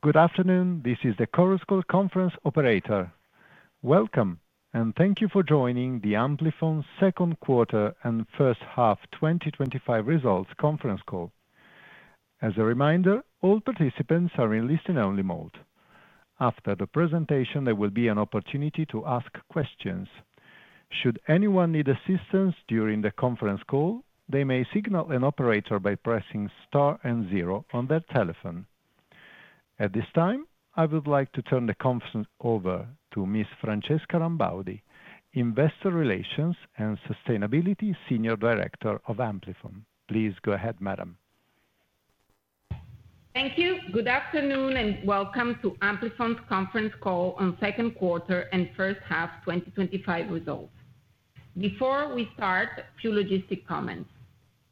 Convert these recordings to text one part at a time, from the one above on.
Good afternoon, this is the Chorus Call Conference Operator. Welcome and thank you for joining the Amplifon's Second Quarter and First Half 2025 Results Conference Call. As a reminder, all participants are in listening only mode. After the presentation, there will be an opportunity to ask questions. Should anyone need assistance during the conference call, they may signal an operator by pressing Star and zero on their telephone. At this time, I would like to turn the conference over to Ms. Francesca Rambaudi, Investor Relations and Sustainability Senior Director of Amplifon. Please go ahead, Madam. Thank you. Good afternoon and welcome to Amplifon's Conference Call on second Quarter and First Half 2025 results. Before we start, a few logistic comments.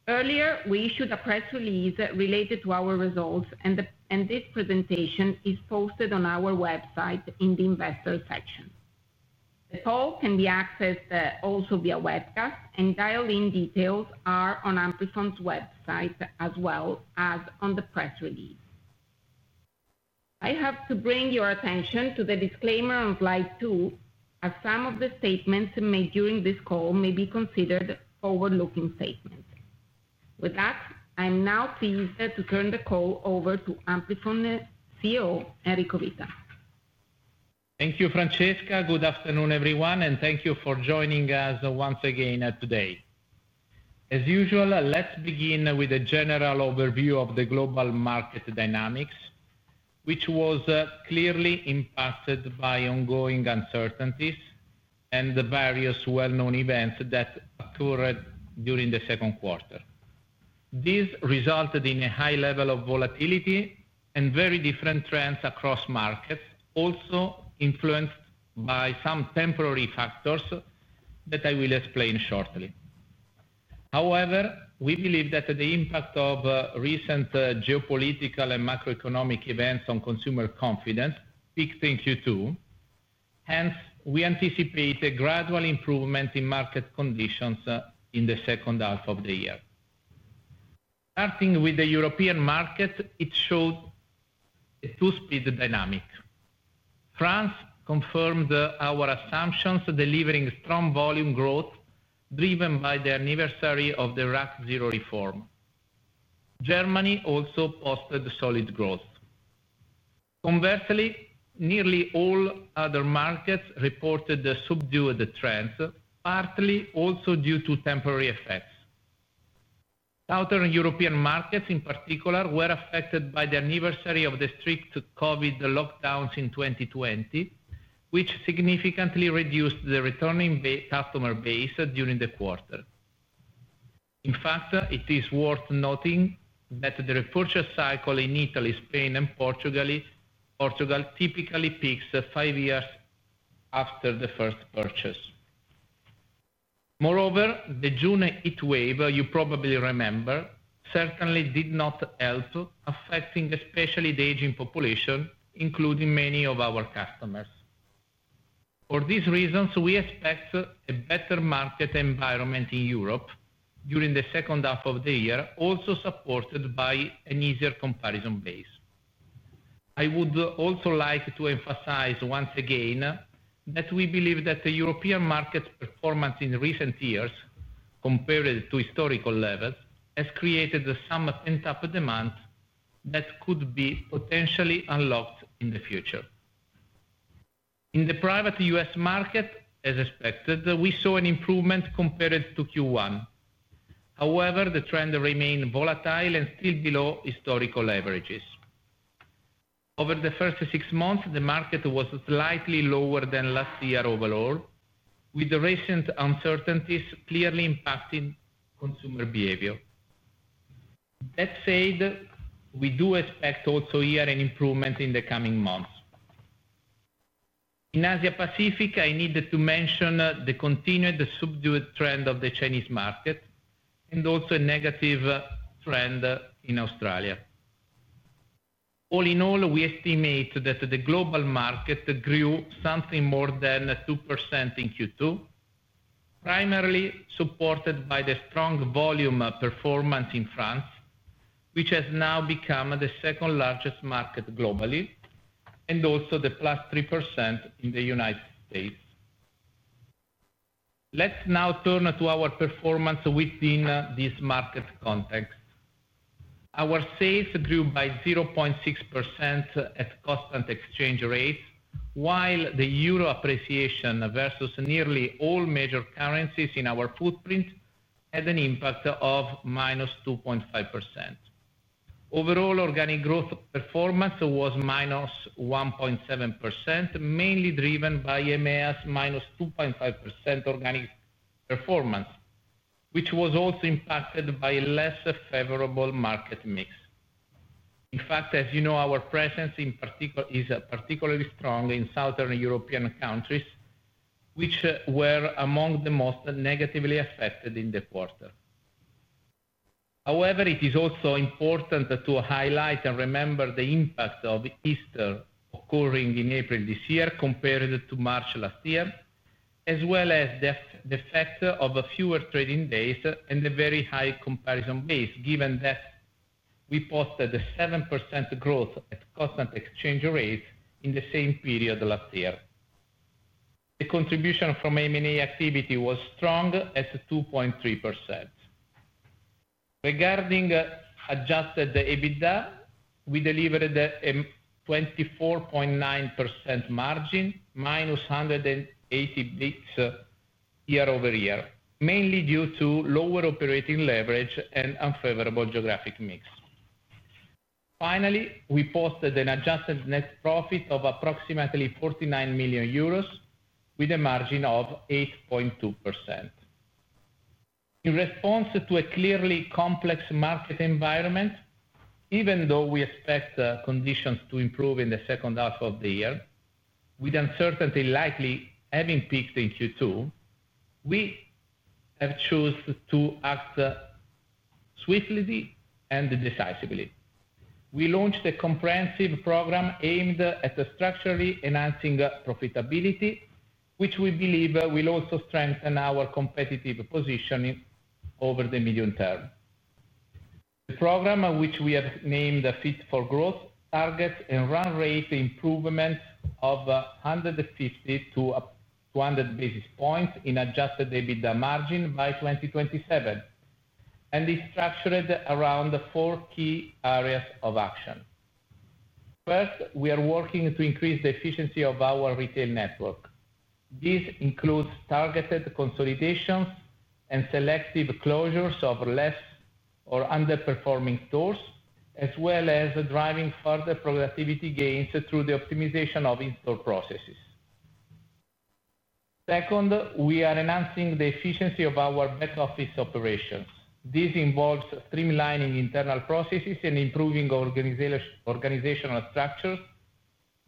Earlier we issued a press release related to our results, and this presentation is posted on our website in the Investors section. The call can be accessed also via webcast and dialed in. Details are on Amplifon's website as well as on the press release. I have to bring your attention to the disclaimer on Slide 2, as some of the statements made during this call may be considered forward-looking statements. With that, I'm now pleased to turn the call over to Amplifon CEO Enrico Vita. Thank you, Francesca. Good afternoon, everyone, and thank you for joining us once again today. As usual, let's begin with a general overview of the global market dynamics, which was clearly impacted by ongoing uncertainties and the various well-known events that occurred during the second quarter. This resulted in a high level of volatility and very different trends across markets, also influenced by some temporary factors that I will explain shortly. However, we believe that the impact of recent geopolitical and macroeconomic events on consumer confidence peaked in Q2. Hence, we anticipate a gradual improvement in market conditions in the second half of the year. Starting with the European market, it showed a two-speed dynamic. France confirmed our assumptions, delivering strong volume growth driven by the anniversary of the RAC 0 reform. Germany also posted solid growth. Conversely, nearly all other markets reported subdued trends, partly also due to temporary effects. Southern European markets in particular were affected by the anniversary of the strict COVID lockdowns in 2020, which significantly reduced the returning customer base during the quarter. In fact, it is worth noting that the repurchase cycle in Italy, Spain, and Portugal typically peaks five years after the first purchase. Moreover, the June heat wave you probably remember certainly did not help, affecting especially the aging population, including many of our customers. For these reasons, we expect a better market environment in Europe during the second half of the year, also supported by an easier comparison base. I would also like to emphasize once again that we believe that the European market performance in recent years compared to historical levels has created some pent-up demand that could be potentially unlocked in the future. In the private U.S. market, as expected, we saw an improvement compared to Q1. However, the trend remained volatile and still below historical averages. Over the first six months, the market was slightly lower than last year overall, with the recent uncertainties clearly impacting consumer behavior. That said, we do expect also year-end improvements in the coming months. In Asia Pacific, I needed to mention the continued subdued trend of the Chinese market and also a negative trend in Australia. All in all, we estimate that the global market grew something more than 2% in Q2, primarily supported by the strong volume performance in France, which has now become the second largest market globally, and also the +3% in the United States. Let's now turn to our performance within this market context. Our sales grew by 0.6% at constant exchange rates, while the euro appreciation versus nearly all major currencies in our footprint had an impact of -2.5%. Overall organic growth performance was -1.7%, mainly driven by EMEA's -2.5% organic performance, which was also impacted by less favorable market mix. In fact, as you know, our presence is particularly strong in Southern European countries, which were among the most negatively affected in the quarter. However, it is also important to highlight and remember the impact of Easter occurring in April this year compared to March last year, as well as the fact of fewer trading days and a very high comparison base. Given that we posted a 7% growth at constant exchange rates in the same period last year, the contribution from M&A activity was strong at 2.3%. Regarding adjusted EBITDA, we delivered a 24.9% margin, minus 180 bps year over year, mainly due to lower operating leverage and unfavorable geographic mix. Finally, we posted an Adjusted Net Profit of approximately 49 million euros with a margin of 8.2% in response to a clearly complex market environment. Even though we expect conditions to improve in the second half of the year, with uncertainty likely having peaked in Q2, we have chosen to act swiftly and decisively. We launched a comprehensive program aimed at structurally enhancing profitability, which we believe will also strengthen our competitive position over the medium term. The program, which we have named Fit for Growth, targets a run rate improvement of 150 to 200 basis points in Adjusted EBITDA Margin by 2027 and is structured around the four key areas of action. First, we are working to increase the efficiency of our retail network. This includes targeted consolidations and selective closures of less or underperforming stores, as well as driving further productivity gains through the optimization of in-store processes. Second, we are enhancing the efficiency of our back office operations. This involves streamlining internal processes and improving organizational structures,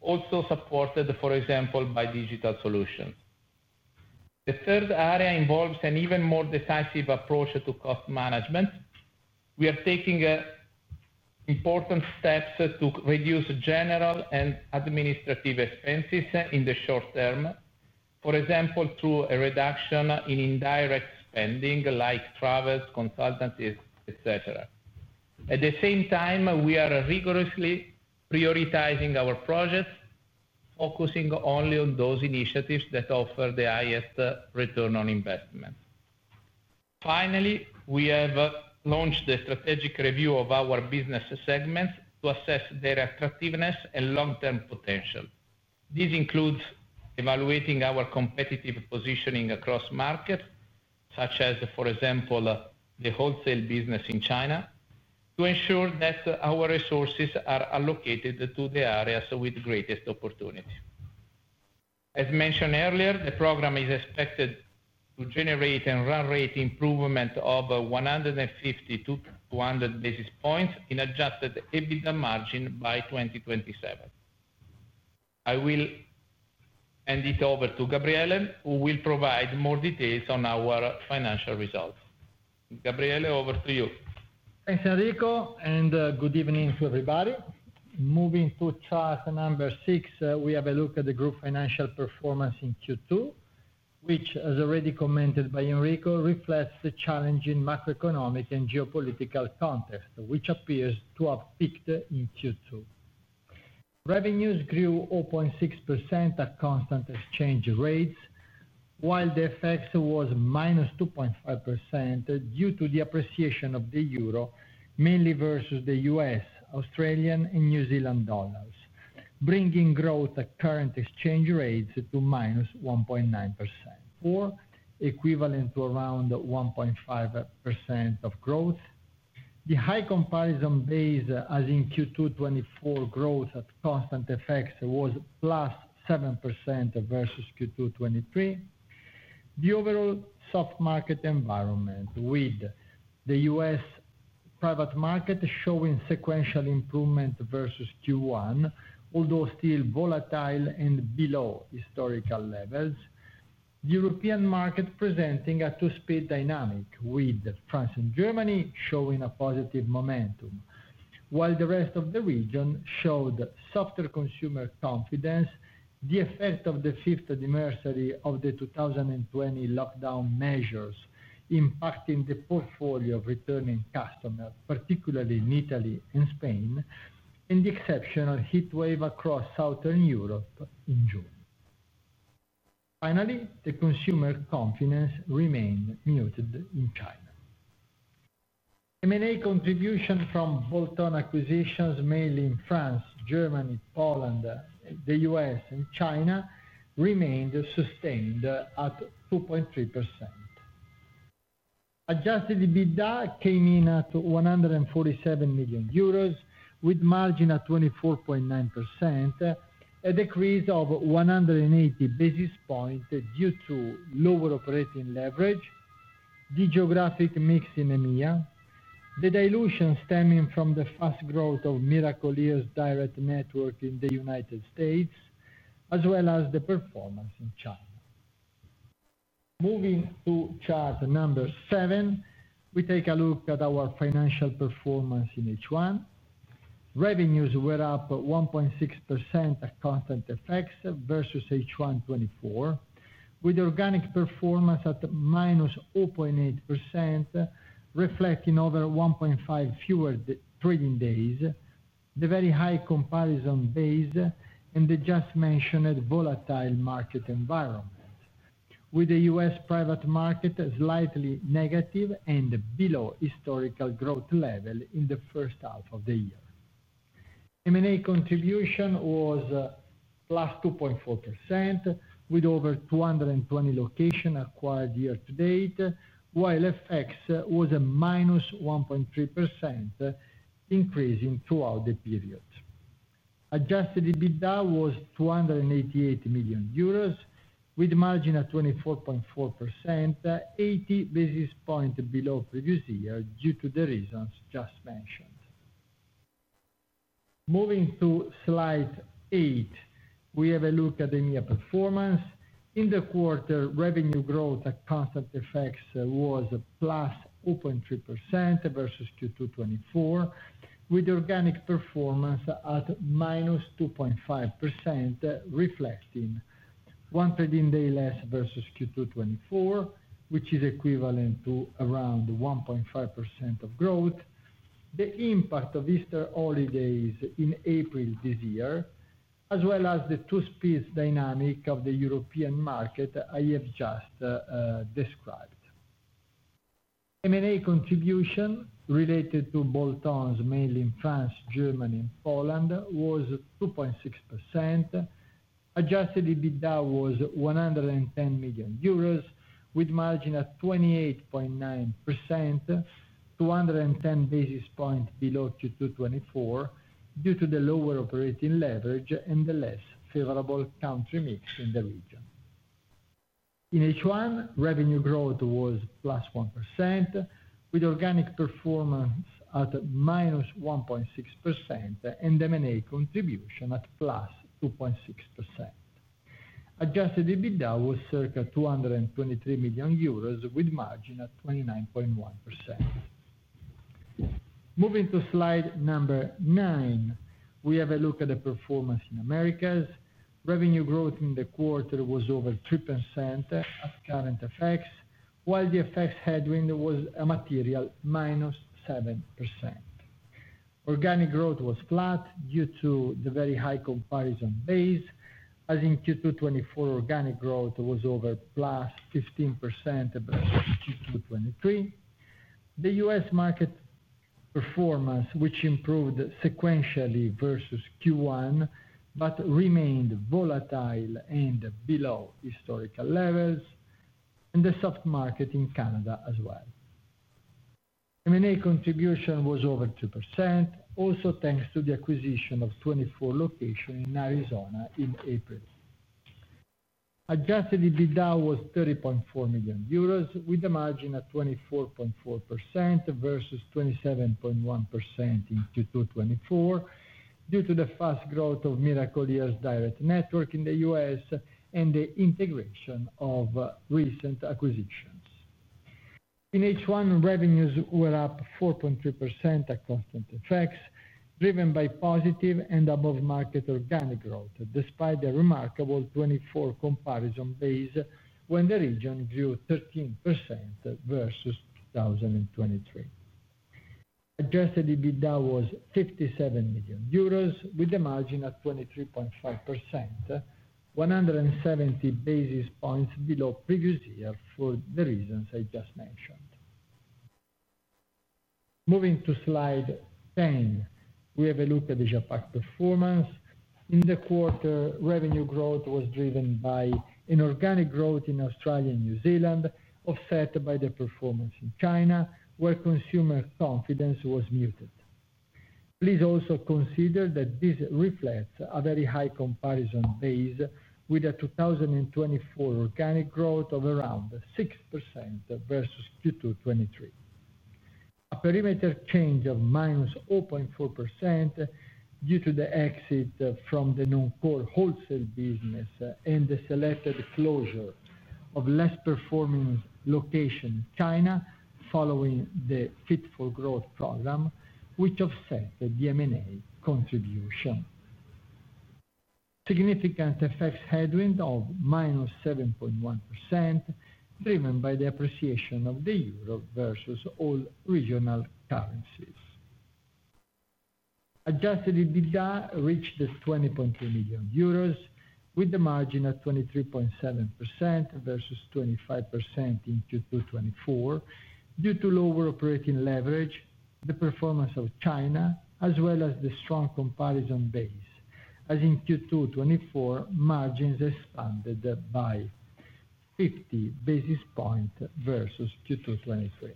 also supported, for example, by Digital Solutions. The third area involves an even more decisive approach to cost management. We are taking important steps to reduce general and administrative expenses in the short term, for example, through a reduction in indirect spending like travel, consultancies, etc. At the same time, we are rigorously prioritizing our projects, focusing only on those initiatives that offer the highest return on investment. Finally, we have launched a strategic review of our business segments to assess their attractiveness and long-term potential. This includes evaluating our competitive positioning across markets such as, for example, the wholesale business in China to ensure that our resources are allocated to the areas with greatest opportunity. As mentioned earlier, the program is expected to generate a run rate improvement of 150 to 200 basis points in Adjusted EBITDA Margin by 2027. I will hand it over to Gabriele who will provide more details on our financial results. Gabriele, over to you. Thanks Enrico and good evening to everybody. Moving to chart number six, we have a look at the group financial performance in Q2, which, as already commented by Enrico, reflects the challenging macroeconomic and geopolitical context which appears to have peaked. In Q2, revenues grew 0.6% at constant exchange rates, while the FX was -2.5% due to the appreciation of the Euro mainly versus the U.S., Australian, and New Zealand dollars, bringing growth at current exchange rates to -1.9% or equivalent to around 1.5% of growth. The high comparison base, as in Q2 2024, growth at constant effects was +7% versus Q2 2023. The overall soft market environment with the U.S. private market showing sequential improvement versus Q1, although still volatile and below historical levels, the European market presenting a two-speed dynamic with France and Germany showing a positive momentum while the rest of the region showed softer consumer confidence. The effect of the fifth anniversary of the 2020 lockdown measures impacting the portfolio of returning customers, particularly in Italy and Spain, and the exceptional heat wave across Southern Europe in June. Finally, the consumer confidence remained muted in China. M&A contribution from bolt-on acquisitions mainly in France, Germany, Poland, the U.S., and China remained sustained at 2.3%. Adjusted EBITDA came in at 147 million euros with margin at 24.9%, a decrease of 180 basis points due to lower operating leverage, the geographic mix in EMEA, the dilution stemming from the fast growth of Miracle-Ear Direct Network in the United States as well as the performance in China. Moving to chart number seven, we take a look at our financial performance in H1. Revenues were up 1.6% at constant FX versus H1 2024, with organic performance at -0.8% reflecting over 1.5 fewer trading days. The very high comparison base and the just mentioned volatile market environment with the U.S. private market slightly negative and below historical growth level in the first half of the year. M&A contribution was +2.4% with over 220 locations acquired year to date, while FX was -1.3% increasing throughout the period. Adjusted EBITDA was 288 million euros with margin at 24.4%, 80 basis points below previous year due to the reasons just mentioned. Moving to slide 8, we have a look at EMEA performance in the quarter. Revenue growth at constant FX was +0.3% versus Q2 2024 with organic performance at -2.5%, reflecting one trading day less versus Q2 2024, which is equivalent to around 1.5% of growth. The impact of Easter holidays in April this year as well as the two-speed dynamic of the European market I have just described. M&A contribution related to bolt-ons in mainland France, Germany, and Poland was 2.6%. Adjusted EBITDA was 110 million euros with margin at 28.9%, 210 basis points below Q2 2024 due to the lower operating leverage and the less favorable country mix in the region. In H1, revenue growth was 1% with organic performance at -1.6% and M&A contribution at +2.6%. Adjusted EBITDA was circa 223 million euros with margin at 29.1%. Moving to slide number nine, we have a look at the performance in Americas. Revenue growth in the quarter was over 3% at current FX while the FX headwind was a material -7%. Organic growth was flat due to the very high comparison base, as in Q2 2024 organic growth was over +15% above Q2 2023. The U.S. market performance improved sequentially versus Q1 but remained volatile and below historical levels, and the soft market in Canada as well. M&A contribution was over 2%, also thanks to the acquisition of 24 locations in Arizona in April. Adjusted EBITDA was 30.4 million euros with the margin at 24.4% versus 27.1% in Q2 2024 due to the fast growth of Miracle-Ear shops' direct network in the U.S. and the integration of recent acquisitions. In H1, revenues were up 4.3% at constant FX, driven by positive and above-market organic growth. Despite the remarkable 2024 comparison base when the region grew 13% versus 2023, adjusted EBITDA was 57 million euros with a margin at 23.5%, 170 basis points below previous year for the reasons I just mentioned. Moving to slide 10, we have a look at the APAC performance in the quarter. Revenue growth was driven by inorganic growth in Australia and New Zealand, offset by the performance in China where consumer confidence was muted. Please also consider that this reflects a very high comparison base with a 2024 organic growth of around 6% versus Q2 2023, a perimeter change of -0.4% due to the exit from the non-core wholesale business and the selected closure of less performing locations in China following the Fit for Growth program, which offset the M&A contribution. Significant FX headwind of -7.1% was driven by the appreciation of the Euro versus all regional currencies. Adjusted EBITDA reached 20.2 million euros with the margin at 23.7% versus 25% in Q2 2024 due to lower operating leverage, the performance of China, as well as the strong comparison base. As in Q2 2024, margins expanded by 50 basis points versus Q2 2023.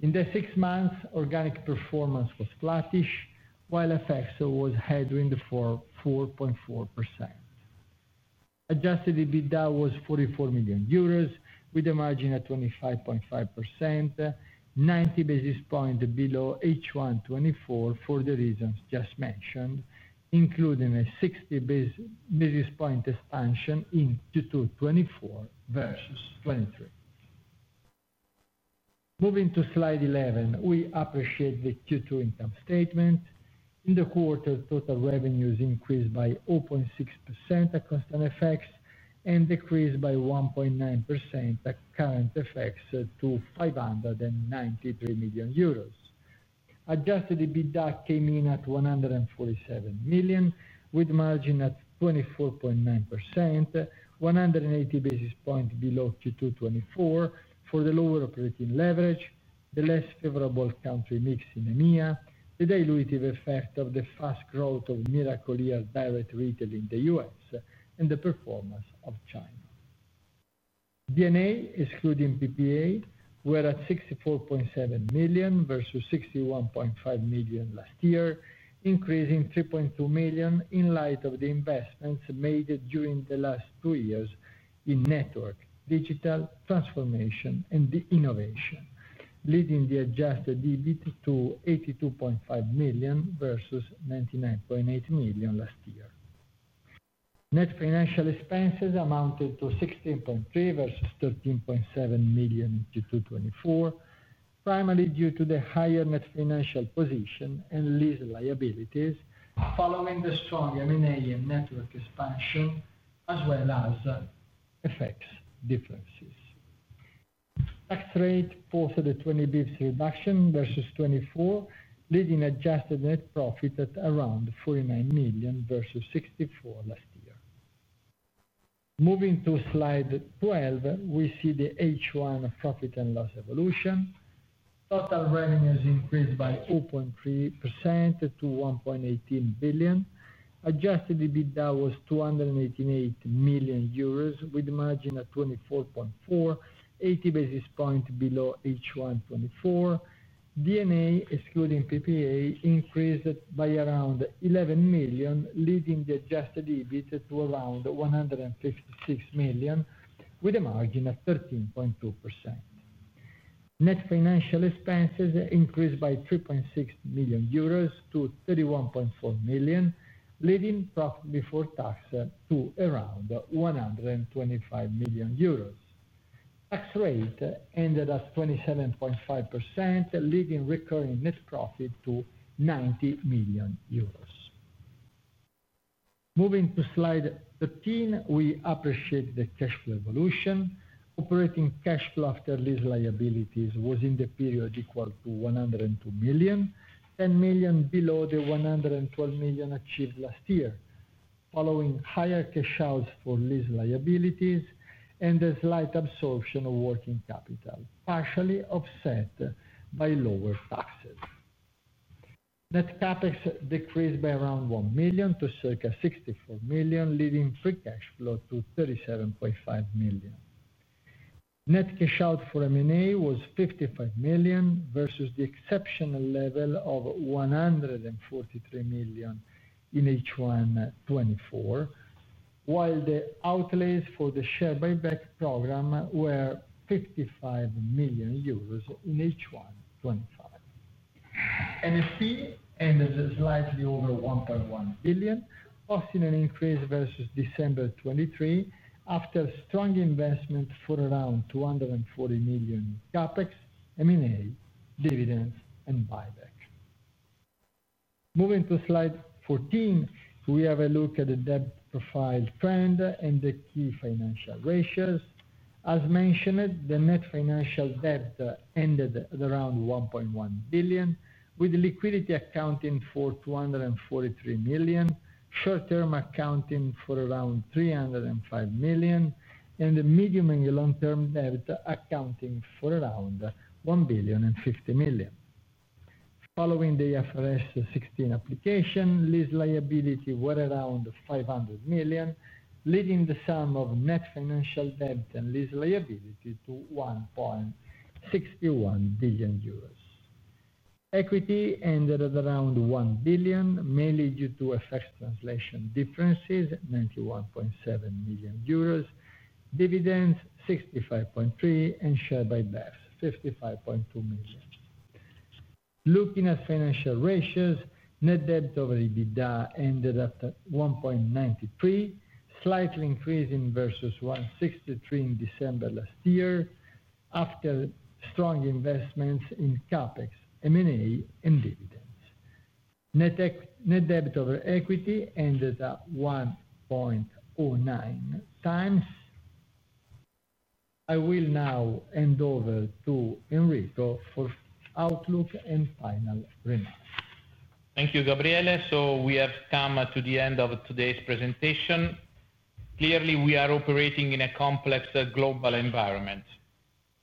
In the six months, organic performance was flattish while FX was a headwind for 4.4%. Adjusted EBITDA was 44 million euros with the margin at 25.5%, 90 basis points below H1 2024 for the reasons just mentioned, including a 60 basis point expansion in Q2 2024 versus 2023. Moving to slide 11, we appreciate the Q2 income statement. In the quarter, total revenues increased by 0.6% at constant exchange rates and decreased by 1.9% at current exchange rates to 593 million euros. Adjusted EBITDA came in at 147 million with margin at 24.9%, 180 basis points below Q2 2024 for the lower operating leverage, the less favorable country mix in EMEA, the dilutive effect of the fast growth of Miracle-Ear shops direct retail in the United States, and the performance of China. D&A excluding PPA were at 64.7 million versus 61.5 million last year, increasing 3.2 million in light of the investments made during the last two years in network digital transformation and innovation, leading the adjusted EBIT to 82.5 million versus the 99.8 million last year. Net financial expenses amounted to 16.3 million versus 13.7 million in 2024, primarily due to the higher net financial position and lease liabilities following the strong M&A activity and network expansion as well as FX differences. Tax rate posted a 20 bps reduction versus 2024, leading Adjusted Net Profit at around 49 million versus 64 million last year. Moving to slide 12, we see the H1 profit and loss evolution. Total revenues increased by 0.3% to 1.18 billion. Adjusted EBITDA was 288 million euros with the margin at 24.4%, 80 basis points below H1 2024. D&A excluding PPA increased by around 11 million, leading the adjusted EBIT to around 156 million with a margin of 13.2%. Net financial expenses increased by 3.6 million euros to 31.4 million, leaving profit before tax to around 125 million euros. Tax rate ended at 27.5%, leading recurring net profit to 90 million euros. Moving to slide 13, we appreciate the cash flow evolution. Operating cash flow after lease liabilities was in the period equal to 102 million, 10 million below the 112 million achieved last year, following higher cash outs for lease liabilities and a slight absorption of working capital, partially offset by lower taxes. Net CapEx decreased by around 1 million to circa 64 million, leaving free cash flow to 37.5 million. Net cash out for M&A was 55 million versus the exceptional level of 143 million in H1 2024, while the outlays for the share buyback program were 55 million in H1 2025. NFP ended slightly over 1.1 billion, posting an increase versus December 23rd after strong investment for around 240 million CapEx, M&A, dividend, and buyback. Moving to slide 14, we have a look at the debt profile trend and the key financial ratios. As mentioned, the net financial debt ended at around 1.1 billion, with liquidity accounting for 243 million, short term accounting for around 305 million, and the medium and long term debt accounting for around 1,050 million. Following the IFRS 16 application, lease liability were around 500 million, leading the sum of net financial debt and lease liability to 1.61 billion euros. Equity ended at around 1 billion, mainly due to FX translation differences 91.7 million euros, dividends 65.3 million, and share buybacks 55.2 million. Looking at financial ratios, net debt over EBITDA ended at 1.93, slightly increasing versus 1.63 in December last year. After strong investments in CapEx, M&A, and dividends, net debt over equity ended at 1. I will now hand over to Enrico for outlook and final remarks. Thank you, Gabriele, so we have come to the end of today's presentation. Clearly, we are operating in a complex global environment.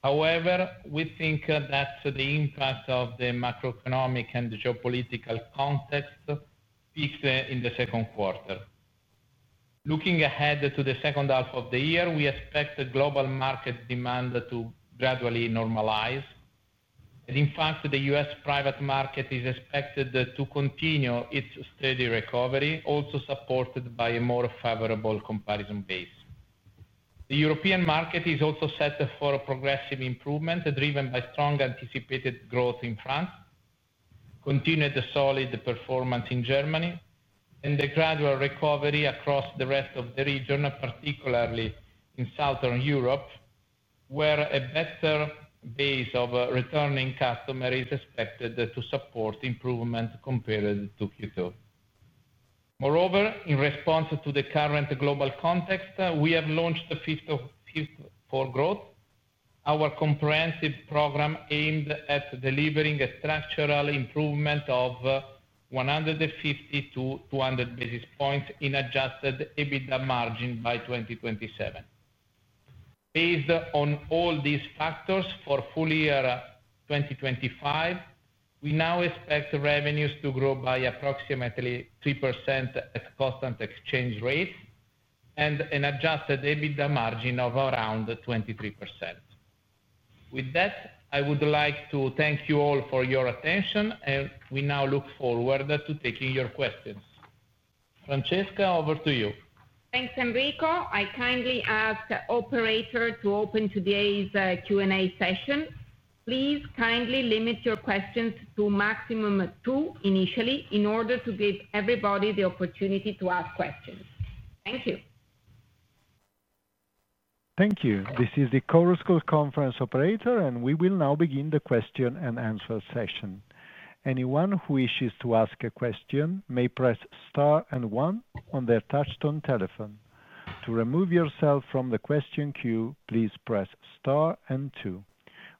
However, we think that the impact of the macroeconomic and geopolitical context peaked in the second quarter. Looking ahead to the second half of the year, we expect global market demand to gradually normalize. In fact, the U.S. private market is expected to continue its steady recovery, also supported by a more favorable comparison base. The European market is also set for progressive improvements, driven by strong anticipated growth in France, continued solid performance in Germany, and the gradual recovery across the rest of the region, particularly in Southern Europe, where a better base of returning customers is expected to support improvement compared to Q2. Moreover, in response to the current global context, we have launched the Fit for Growth, our comprehensive program aimed at delivering a structural improvement of 150 to 200 basis points in Adjusted EBITDA Margin by 2027. Based on all these factors, for full year 2025, we now expect revenues to grow by approximately 3% at constant exchange rates and an Adjusted EBITDA Margin of around 23%. With that, I would like to thank you all for your attention, and we now look forward to taking your questions. Francesca, over to you. Thanks, Enrico. I kindly ask the operator to open today's Q&A session. Please kindly limit your questions to a maximum of 2 initially in order to give everybody the opportunity to ask questions. Thank you. Thank you. This is the Chorus Call Conference operator and we will now begin the question and answer session. Anyone who wishes to ask a question may press Star and 1 on their touch-tone telephone. To remove yourself from the question queue, please press Star and 2.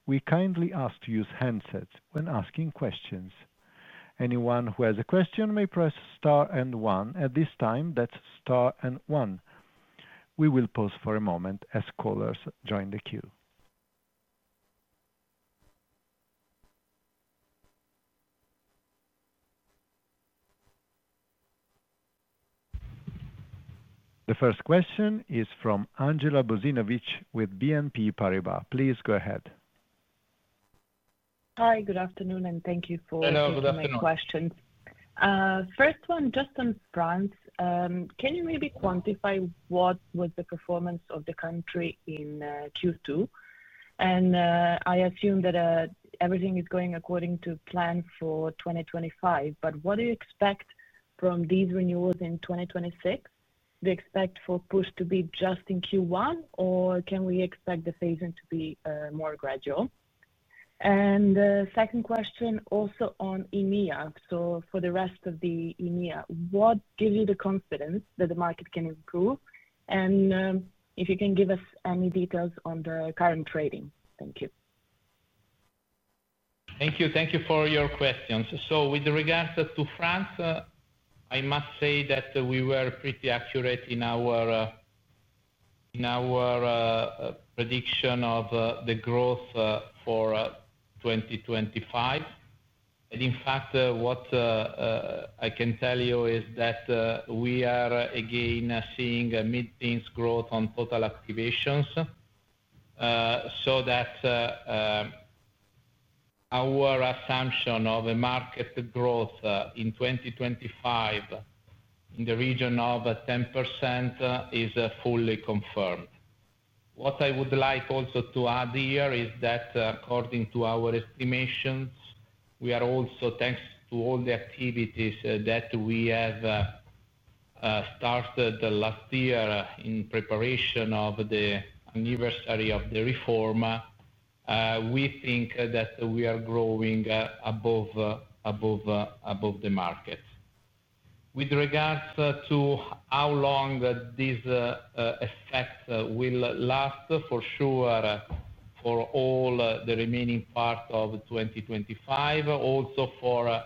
We kindly ask you to use handsets when asking questions. Anyone who has a question may press Star and 1 at this time. That's Star and 1. We will pause for a moment as callers join the queue. The first question is from Andjela Bozinovic with BNP Paribas. Please go ahead. Hi, good afternoon and thank you for my questions. First one, Justin France, can you maybe quantify what was the performance of the country in Q2? I assume that everything is going according to plan for 2025, but what do you expect from these renewals in 2026? Do you expect for push to be just in Q1 or can we expect the phasing to be more gradual? Second question, also on EMEA, for the rest of the EMEA, what gives you the confidence that the market, and if you can give us any details on the current trading. Thank you. Thank you. Thank you for your questions. With regards to France, I must say that we were pretty accurate in our prediction of the growth for 2025, and in fact what I can tell you is that we are again seeing mid pace growth on total activations, so that our assumption of a market growth in 2025 in the region of 10% is fully confirmed. What I would also like to add here is that according to our estimations, we are also, thanks to all the activities that we have started last year in preparation of the anniversary of the reform, we think that we are growing above the market. With regards to how long this effect will last, for sure for all the remaining part of 2025, also for a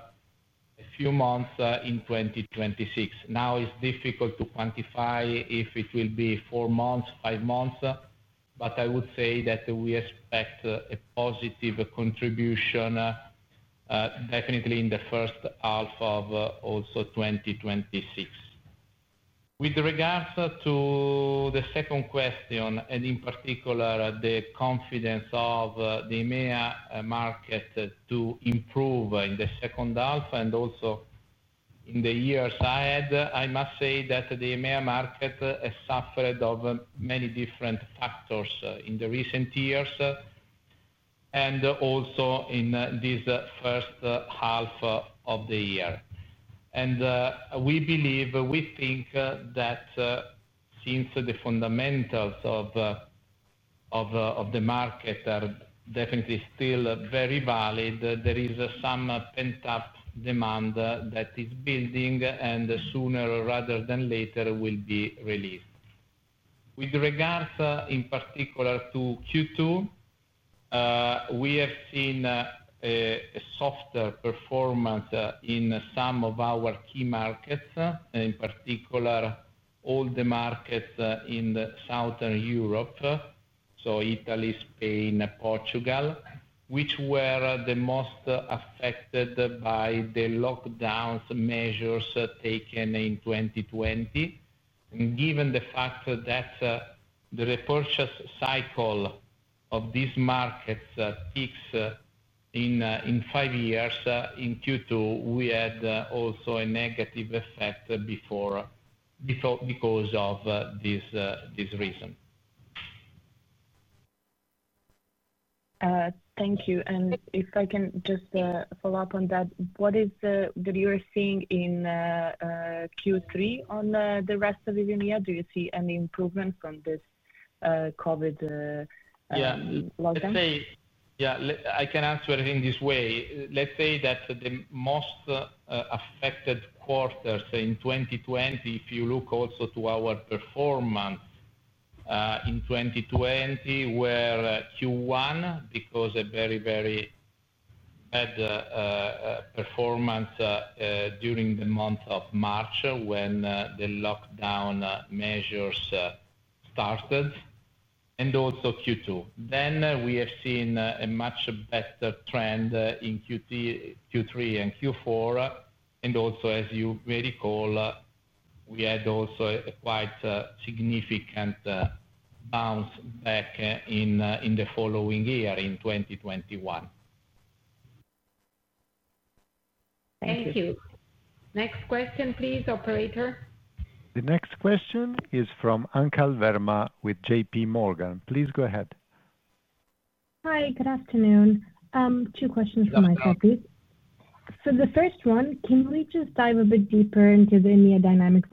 few months in 2026. Now it's difficult to quantify if it will be four months, five months, but I would say that we expect a positive contribution definitely in the first half of also 2026. With regards to the second question, and in particular the confidence of the EMEA market to improve in the second half and also in the years ahead, I must say that the EMEA market has suffered from many different factors in recent years and also in this first half of the year. We believe, we think that since the fundamentals of the market are definitely still very valid, there is some pent up demand that is building and sooner rather than later will be released. With regards in particular to Q2, we have seen a softer performance in some of our key markets, in particular all the markets in Southern Europe. Italy, Spain, Portugal, which were the most affected by the lockdown measures taken in 2020. Given the fact that the repurchase cycle of these markets peaks in five years, in Q2 we had also a negative effect before because of this reason. Thank you. If I can just follow up on that, what is it you are seeing in Q3 on the rest of, do you see any improvement from this COVID lockdown? I can answer it in this way. Let's say that the most affected quarters in 2020, if you look also to our performance in 2020, were Q1 because a very, very bad performance during the month of March when the lockdown measures started, and also Q2. We have seen a much better trend in Q2 and Q4, and also, as you may recall, we had also quite significant bounce back in the following year in 2021. Thank you. Next question, please. Operator The next question is from Anchal Verma with J.P. Morgan. Please go ahead. Hi, good afternoon. Two questions from my colleague. For the first one, can we just dive a bit deeper into the EMEA dynamics?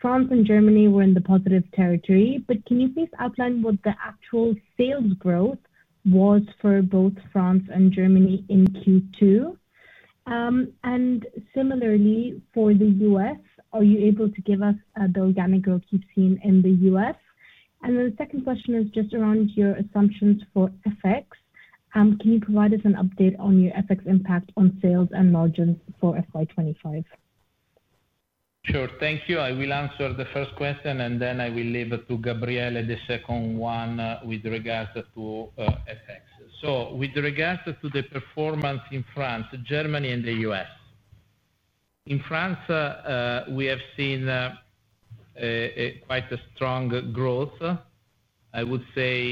France and Germany were in the positive territory, but can you please outline what the actual sales growth was for both France and Germany in Q2 and similarly for the U.S.? Are you able to give us the organic growth keep seen in the U.S.? The second question is just around your assumptions for FX. Can you provide us an update on your FX impact on sales and margins for FY25? Sure. Thank you. I will answer the first question and then I will leave it to Gabriele. The second one with regards to FX. With regards to the performance in France, Germany, and the U.S., in France we have seen quite a strong growth. I would say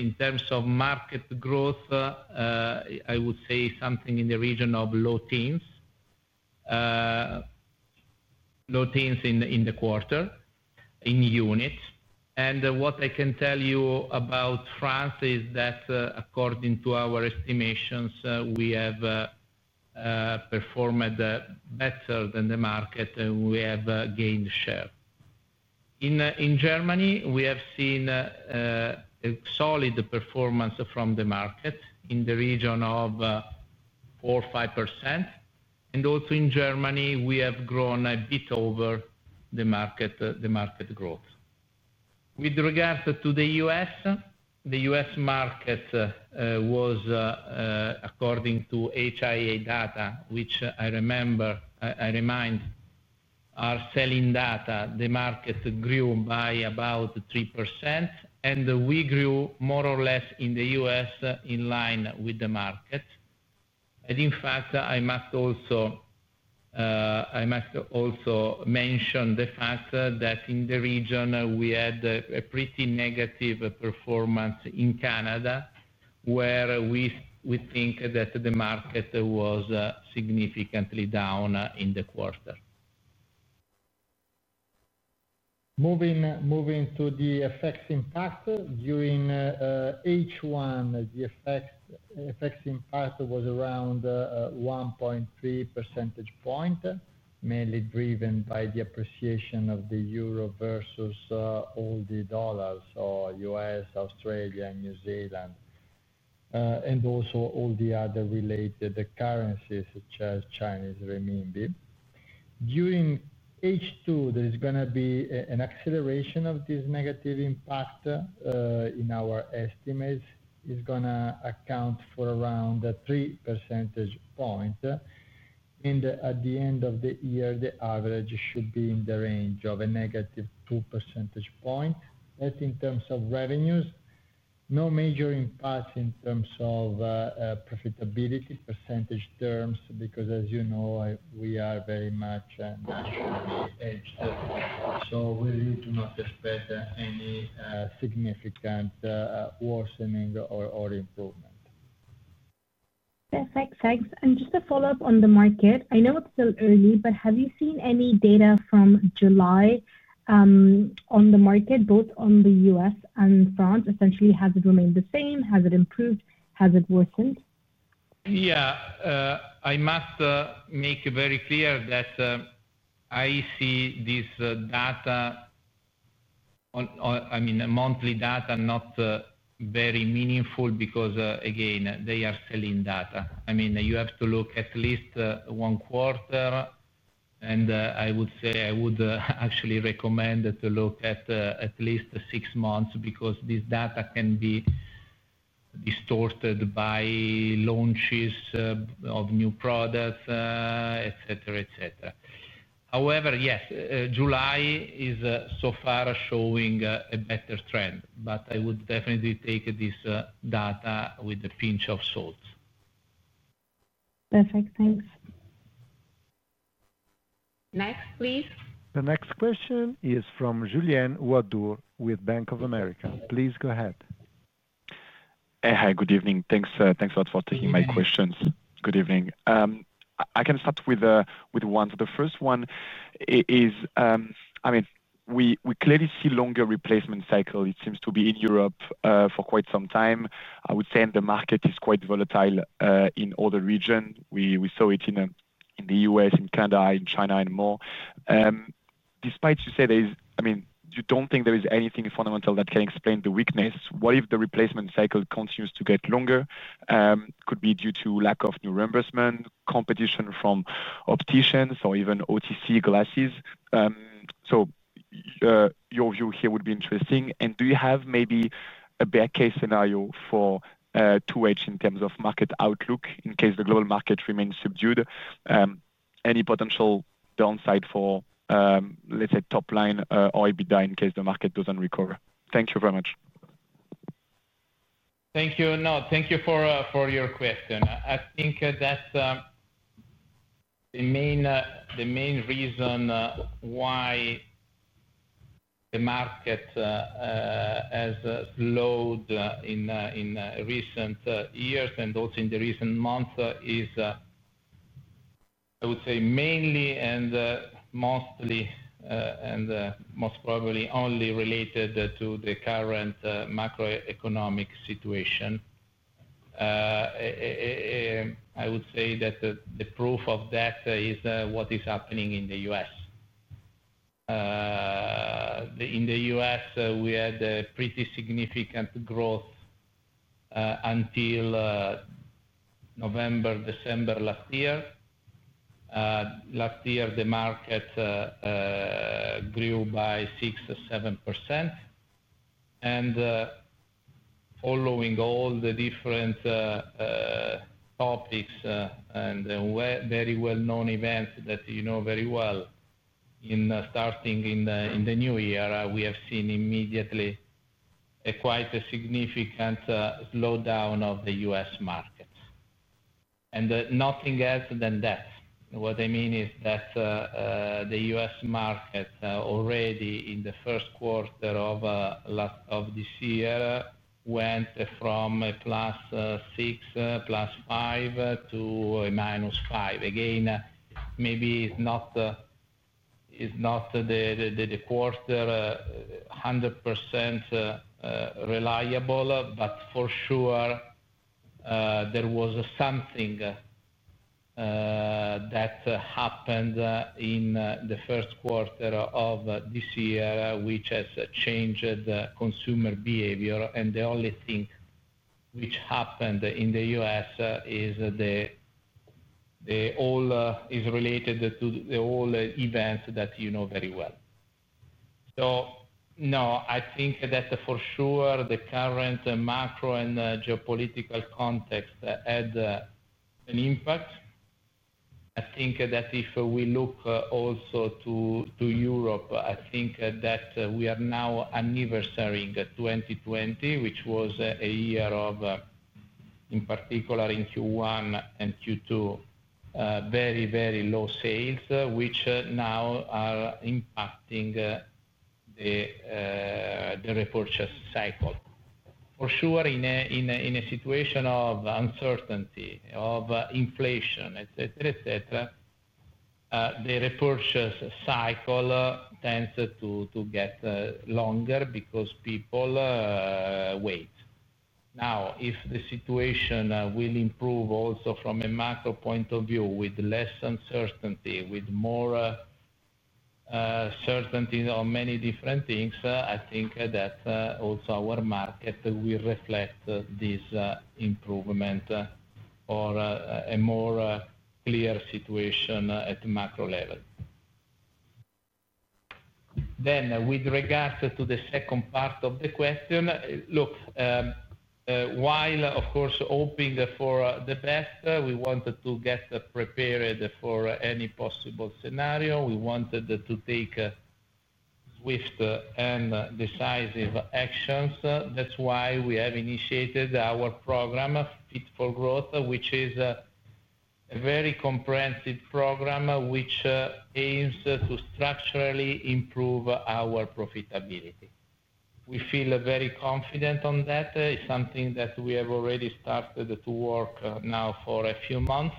in terms of market growth, I would say something in the region of low teens, low teens in the quarter in units. What I can tell you about France is that according to our estimations we have performed better than the market and we have gained share. In Germany we have seen a solid performance from the market in the region of 4%, 5%, and also in Germany we have grown a bit over the market growth. With regard to the U.S., the U.S. market was, according to HIA data, which I remind are selling data, the market grew by about 3% and we grew more or less in the U.S. in line with the market. In fact, I must also mention the fact that in the region we had a pretty negative performance in Canada, where we think that the market was significantly down. Quarter. Moving to the FX impact. During H1, the FX impact was around 1.3 percentage points, mainly driven by the appreciation of the Euro versus all the dollars or U.S., Australia, New Zealand, and also all the other related currencies such as Chinese renminbi. During H2, there is going to be an acceleration of this negative impact. In our estimates, it is going to account for around 3 percentage points, and at the end of the year, the average should be in the range of a negative 2 percentage points. That's in terms of revenues, no major impact in terms of profitability percentage terms because, as you know, we are very much so. We really do not expect any significant worsening or improvement. Thanks. Thanks. Just a follow up on the market. I know it's still early, but have you seen any data from July on the market both on the U.S. and France? Essentially, has it remained the same? Has it improved? Has it worsened? Yeah, I must make it very clear that I see this data, I mean monthly data, not very meaningful because again, they are selling data. I mean you have to look at least a quarter and I would say I would actually recommend to look at at least six months because this data can be distorted by launches of new products, etc. However, yes, July is so far showing a better trend. I would definitely take this data with a pinch of salt. Perfect, thanks. Next, please. The next question is from Julien Ouaddour with Bank of America. Please go ahead. Hi, good evening. Thanks a lot for taking my questions. Good evening. I can start with one. The first one is, I mean we clearly see longer replacement cycle. It seems to be in Europe for quite some time. I would say the market is quite volatile in other region. We saw it in the U.S., in Canada, in China and more. Despite you say, I mean you don't think there is anything fundamental that can explain the weakness? What if the replacement cycle continues to get longer? Could be due to lack of new reimbursement, competition from opticians or even OTC glasses. Your view here would be interesting and do you have maybe a bad case scenario for 2H in terms of market outlook in case the global market remains subdued, any potential downside for let's say Top Line or EBITDA in case the market doesn't recover? Thank you very much. Thank you. No, thank you for your question. I think that the main reason why the market has slowed in recent years and also in the recent months is, I would say, mainly and mostly and most probably only related to the current macroeconomic situation. I would say that the proof of that is what is happening in the U.S. In the U.S., we had pretty significant growth until November, December last year. Last year the market grew by 6 or 7%. Following all the different topics and very well-known events that you know very well, starting in the new era, we have seen immediately quite a significant slowdown of the U.S. market and nothing else than that. What I mean is that the U.S. market already in the first quarter of this year went from plus 6, plus 5 to minus 5. Maybe it's not the quarter 100% reliable, but for sure there was something that happened in the first quarter of this year which has changed consumer behavior. The only thing which happened in the U.S. is related to all events that you know very well. I think that for sure the current macro and geopolitical context had an impact. If we look also to Europe, I think that we are now anniversary 2020, which was a year of, in particular in Q1 and Q2, very, very low sales, which now are impacting the repurchase cycle for sure. In a situation of uncertainty, of inflation, etc., the repurchase cycle tends to get longer because people wait. Now, if the situation will improve also from a macro point of view, with less uncertainty, with more certainty on many different things, I think that also our market will reflect this improvement or a more clear situation at macro level. With regards to the second part of the question, while of course hoping for the best, we wanted to get prepared for any possible scenario. We wanted to take swift and decisive actions. That's why we have initiated our program Fit for Growth, which is a very comprehensive program which aims to structurally improve our profitability. We feel very confident on that. It's something that we have already started to work now for a few months.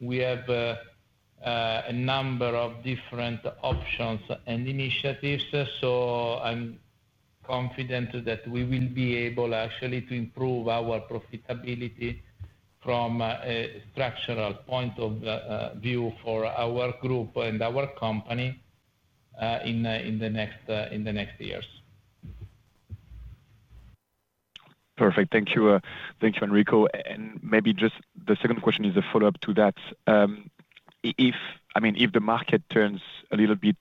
We have a number of different options and initiatives. I'm confident that we will be able actually to improve our profitability from a structural point of view for our group and our company in the next years. Perfect, thank you Enrico. Maybe just the second question is a follow up to that. If the market turns a little bit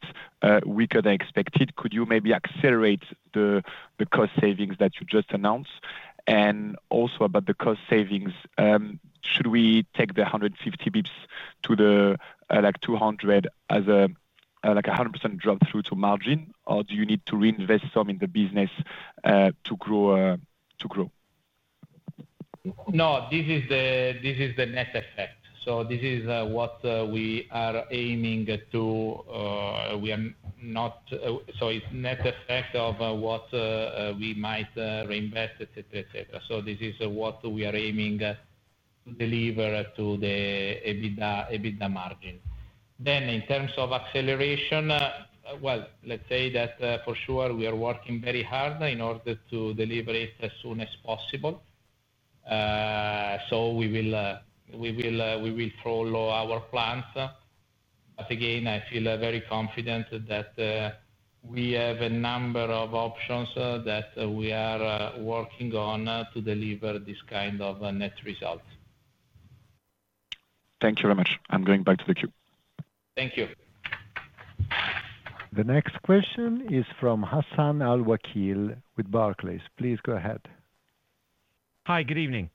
weaker than expected, could you maybe accelerate the cost savings that you just announced? Also, about the cost savings, should we take the 150 bps to the 200 as a 100% drop through to margin or do you need to reinvest some in the business to grow? No, this is the net effect. This is what we are aiming to. We are not. It's net effect of what we might reinvest, etc. etc. This is what we are aiming to deliver to the EBITDA margin. In terms of acceleration, for sure we are working very hard in order to deliver it as soon as possible, so we will follow our plans. Again, I feel very confident that we have a number of options that we are working on to deliver this kind of net result. Thank you very much. I'm going back to the queue. Thank you. The next question is from Hassan Al-Wakeel with Barclays. Please go ahead. Hi, good evening.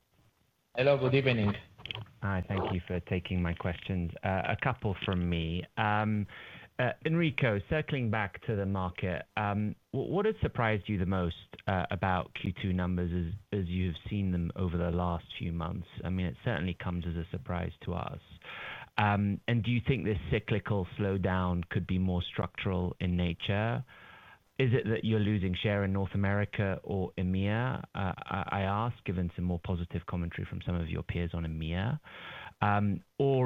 Hello, good evening. Hi. Thank you for taking my questions. A couple from me. Enrico, circling back to the market, what has surprised you the most about Q2 numbers as you have seen them over the last few months? It certainly comes as a surprise to us. Do you think this cyclical slowdown could be more structural in nature? Is it that you're losing share in. North America or EMEA. I ask, given some more positive commentary from some of your peers on EMEA,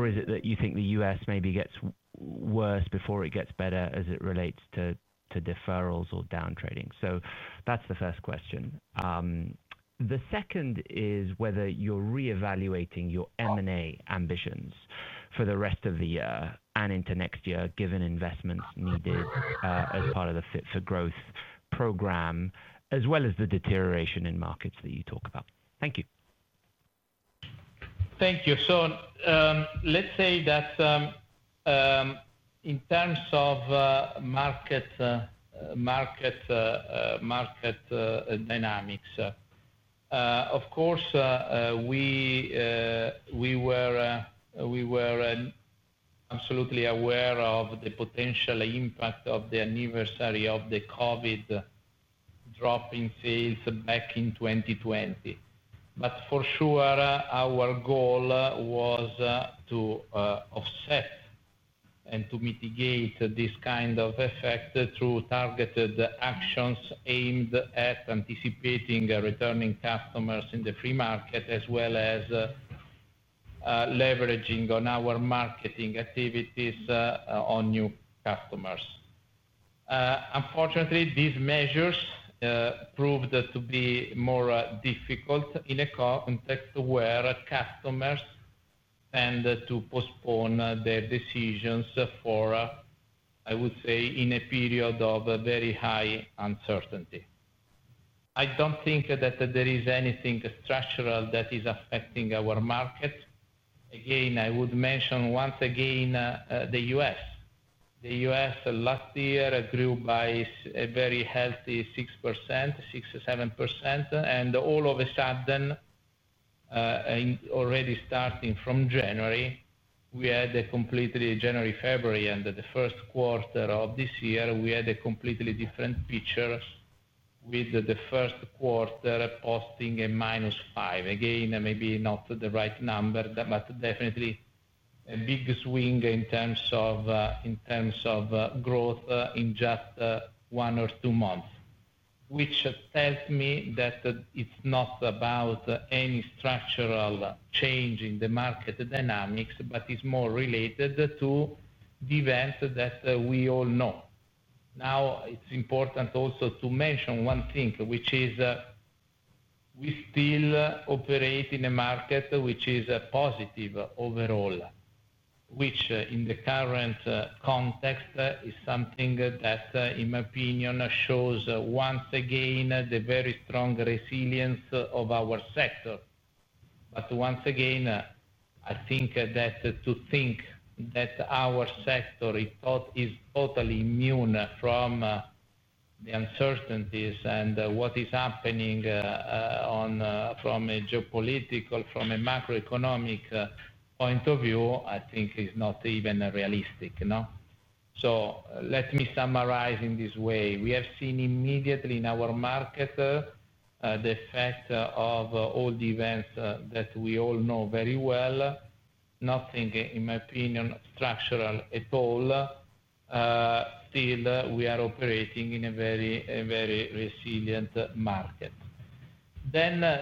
is it that you think the U.S. maybe gets worse before it gets better as it relates to deferrals or down trading? That's the first question. The second is whether you're reevaluating your M&A ambitions for the rest of the year and into next year, given investments needed as part of the Fit for Growth program as well as the deterioration in markets that you talk about. Thank you. Thank you. In terms of market dynamics, we were absolutely aware of the potential impact of the anniversary of the COVID drop in sales back in 2020. For sure, our goal was to offset and to mitigate this kind of effect through targeted actions aimed at anticipating returning customers in the free market as well as leveraging on our marketing activities on new customers. Unfortunately, these measures proved to be more difficult in a context where customers tend to postpone their decisions in a period of very high uncertainty. I don't think that there is anything structural that is affecting our market. Again, I would mention once again, the U.S. last year grew by a very healthy 6% to 7%. All of a sudden, already starting from January, we had completely January, February and the first quarter of this year we had a completely different picture with the first quarter posting a minus five again, maybe not the right number, but definitely a big swing in terms of growth in just one or two months. This tells me that it's not about any structural change in the market dynamics, but it's more related to the event that we all know now. It's important also to mention one thing, which is we still operate in a market which is positive overall, which in the current context is something that in my opinion shows once again the very strong resilience of our sector. I think that to think that our sector is totally immune from the uncertainties and what is happening from a geopolitical, from a macroeconomic point of view, is not even realistic. Let me summarize in this way. We have seen immediately in our market the effect of all the events that we all know very well. Nothing, in my opinion, structural at all. Still, we are operating in a very, very resilient market.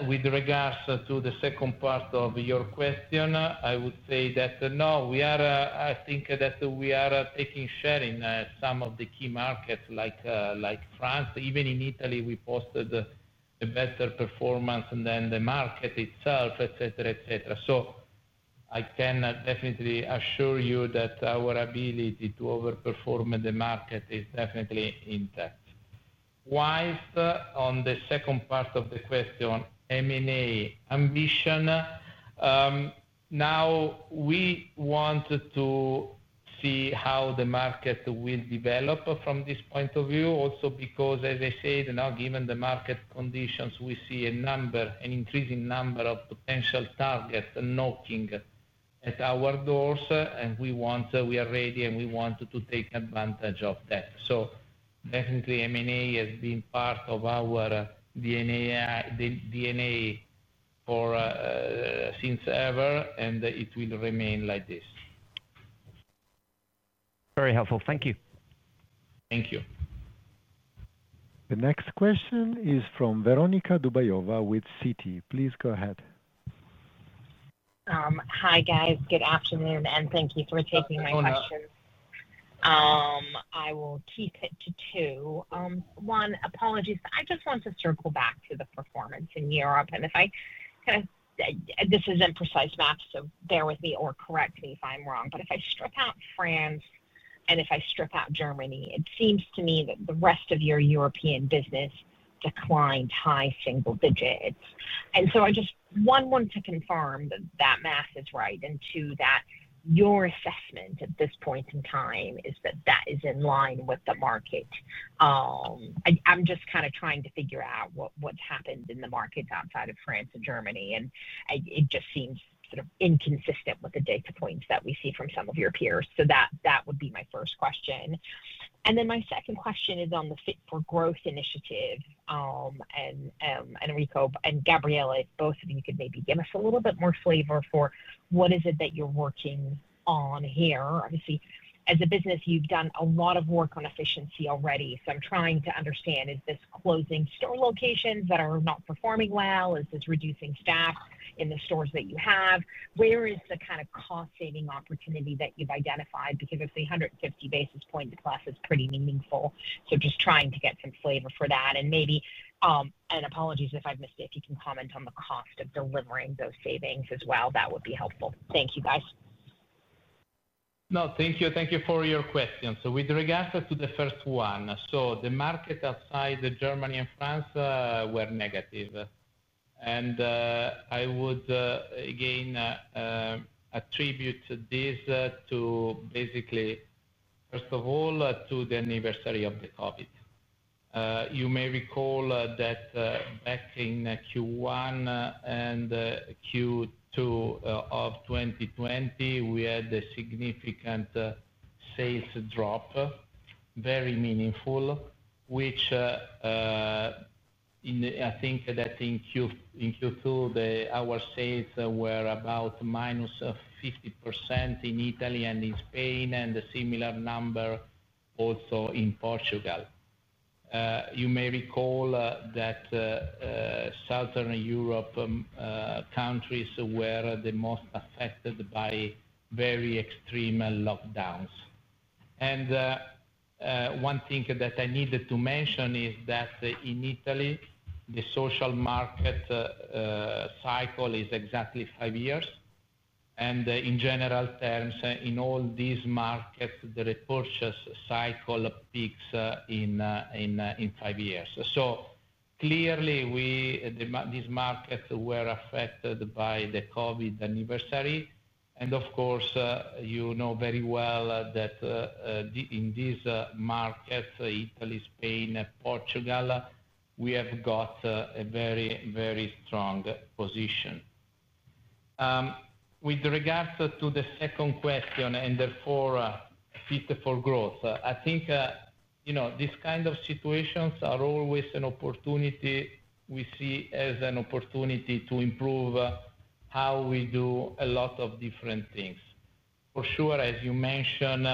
With regards to the second part of your question, I would say that, no, I think that we are taking share in some of the key markets, like France. Even in Italy, we posted a better performance than the market itself, etc. So I can definitely assure you that our ability to overperform in the market is definitely intact. On the second part of the question, M&A ambition, now we want to see how the market will develop from this point of view also because, as I said now, given the market conditions, we see an increasing number of potential targets knocking at our doors and we are ready and we want to take advantage of that. Definitely, M&A has been part of our DNA since ever and it will remain like this. Very helpful. Thank you. Thank you. The next question is from Veronika Dubajova with Citi. Please go ahead. Hi guys. Good afternoon and thank you for taking my questions. I will keep it to two. I just want to circle back to the performance in Europe and if this is imprecise math, bear with me or correct me if I'm wrong, but if I strip out France and if I strip out Germany, it seems to me that the rest of your European business declined high single digits. I just want to confirm that that math is right, and that your assessment at this point in time is that that is in line with the market. I'm just kind of trying to figure out what's happened in the markets outside of France and Germany, and it just seems sort of inconsistent with the data points that we see from some of your peers. That would be my first question. My second question is on the Fit for Growth initiative. Enrico and Gabriele, if both of you could maybe give us a little bit more flavor for what it is that you're working on here. Obviously, as a business, you've done a lot of work on efficiency already. I'm trying to understand if this is closing store locations that are not performing well, if this is reducing staff in the stores that you have, where is the kind of cost saving opportunity that you've identified? Because the 150 basis point plus is pretty meaningful. I'm just trying to get some flavor for that. If you can comment on the cost of delivering those savings as well, that would be helpful. Thank you. No, thank you. Thank you for your question. With regards to the first one, the market outside Germany and France were negative. I would again attribute this to basically, first of all, the anniversary of the COVID. You may recall that back in Q1 and Q2 of 2020, we had a significant sales drop. Very meaningful. Which, I think that in Q2 our sales were about minus 50% in Italy and in Spain and a similar number also in Portugal. You may recall that Southern Europe countries were the most affected by very extreme lockdowns. One thing that I needed to mention is that in Italy the social market cycle is exactly five years and in general terms in all these markets the repurchase cycle peaks in five years. Clearly these markets were affected by the COVID anniversary. Of course you know very well that in this market, Italy, Spain, Portugal, we have got a very, very strong position with regards to the second question. I think this kind of situations are always an opportunity. We see as an opportunity to improve how we do a lot of different things. For sure, as you mentioned,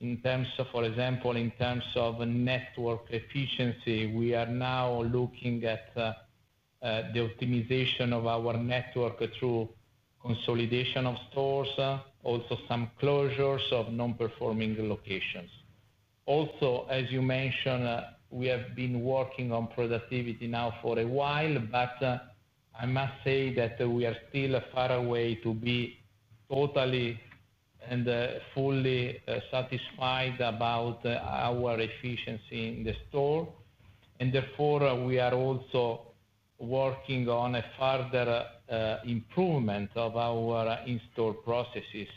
in terms of, for example, in terms of network efficiency, we are now looking at the optimization of our network through consolidation of stores, also some closures of non-performing locations. Also as you mentioned, we have been working on productivity now for a while. I must say that we are still far away to be totally and fully satisfied about our efficiency in the store. Therefore we are also working on a further improvement of our in-store processes.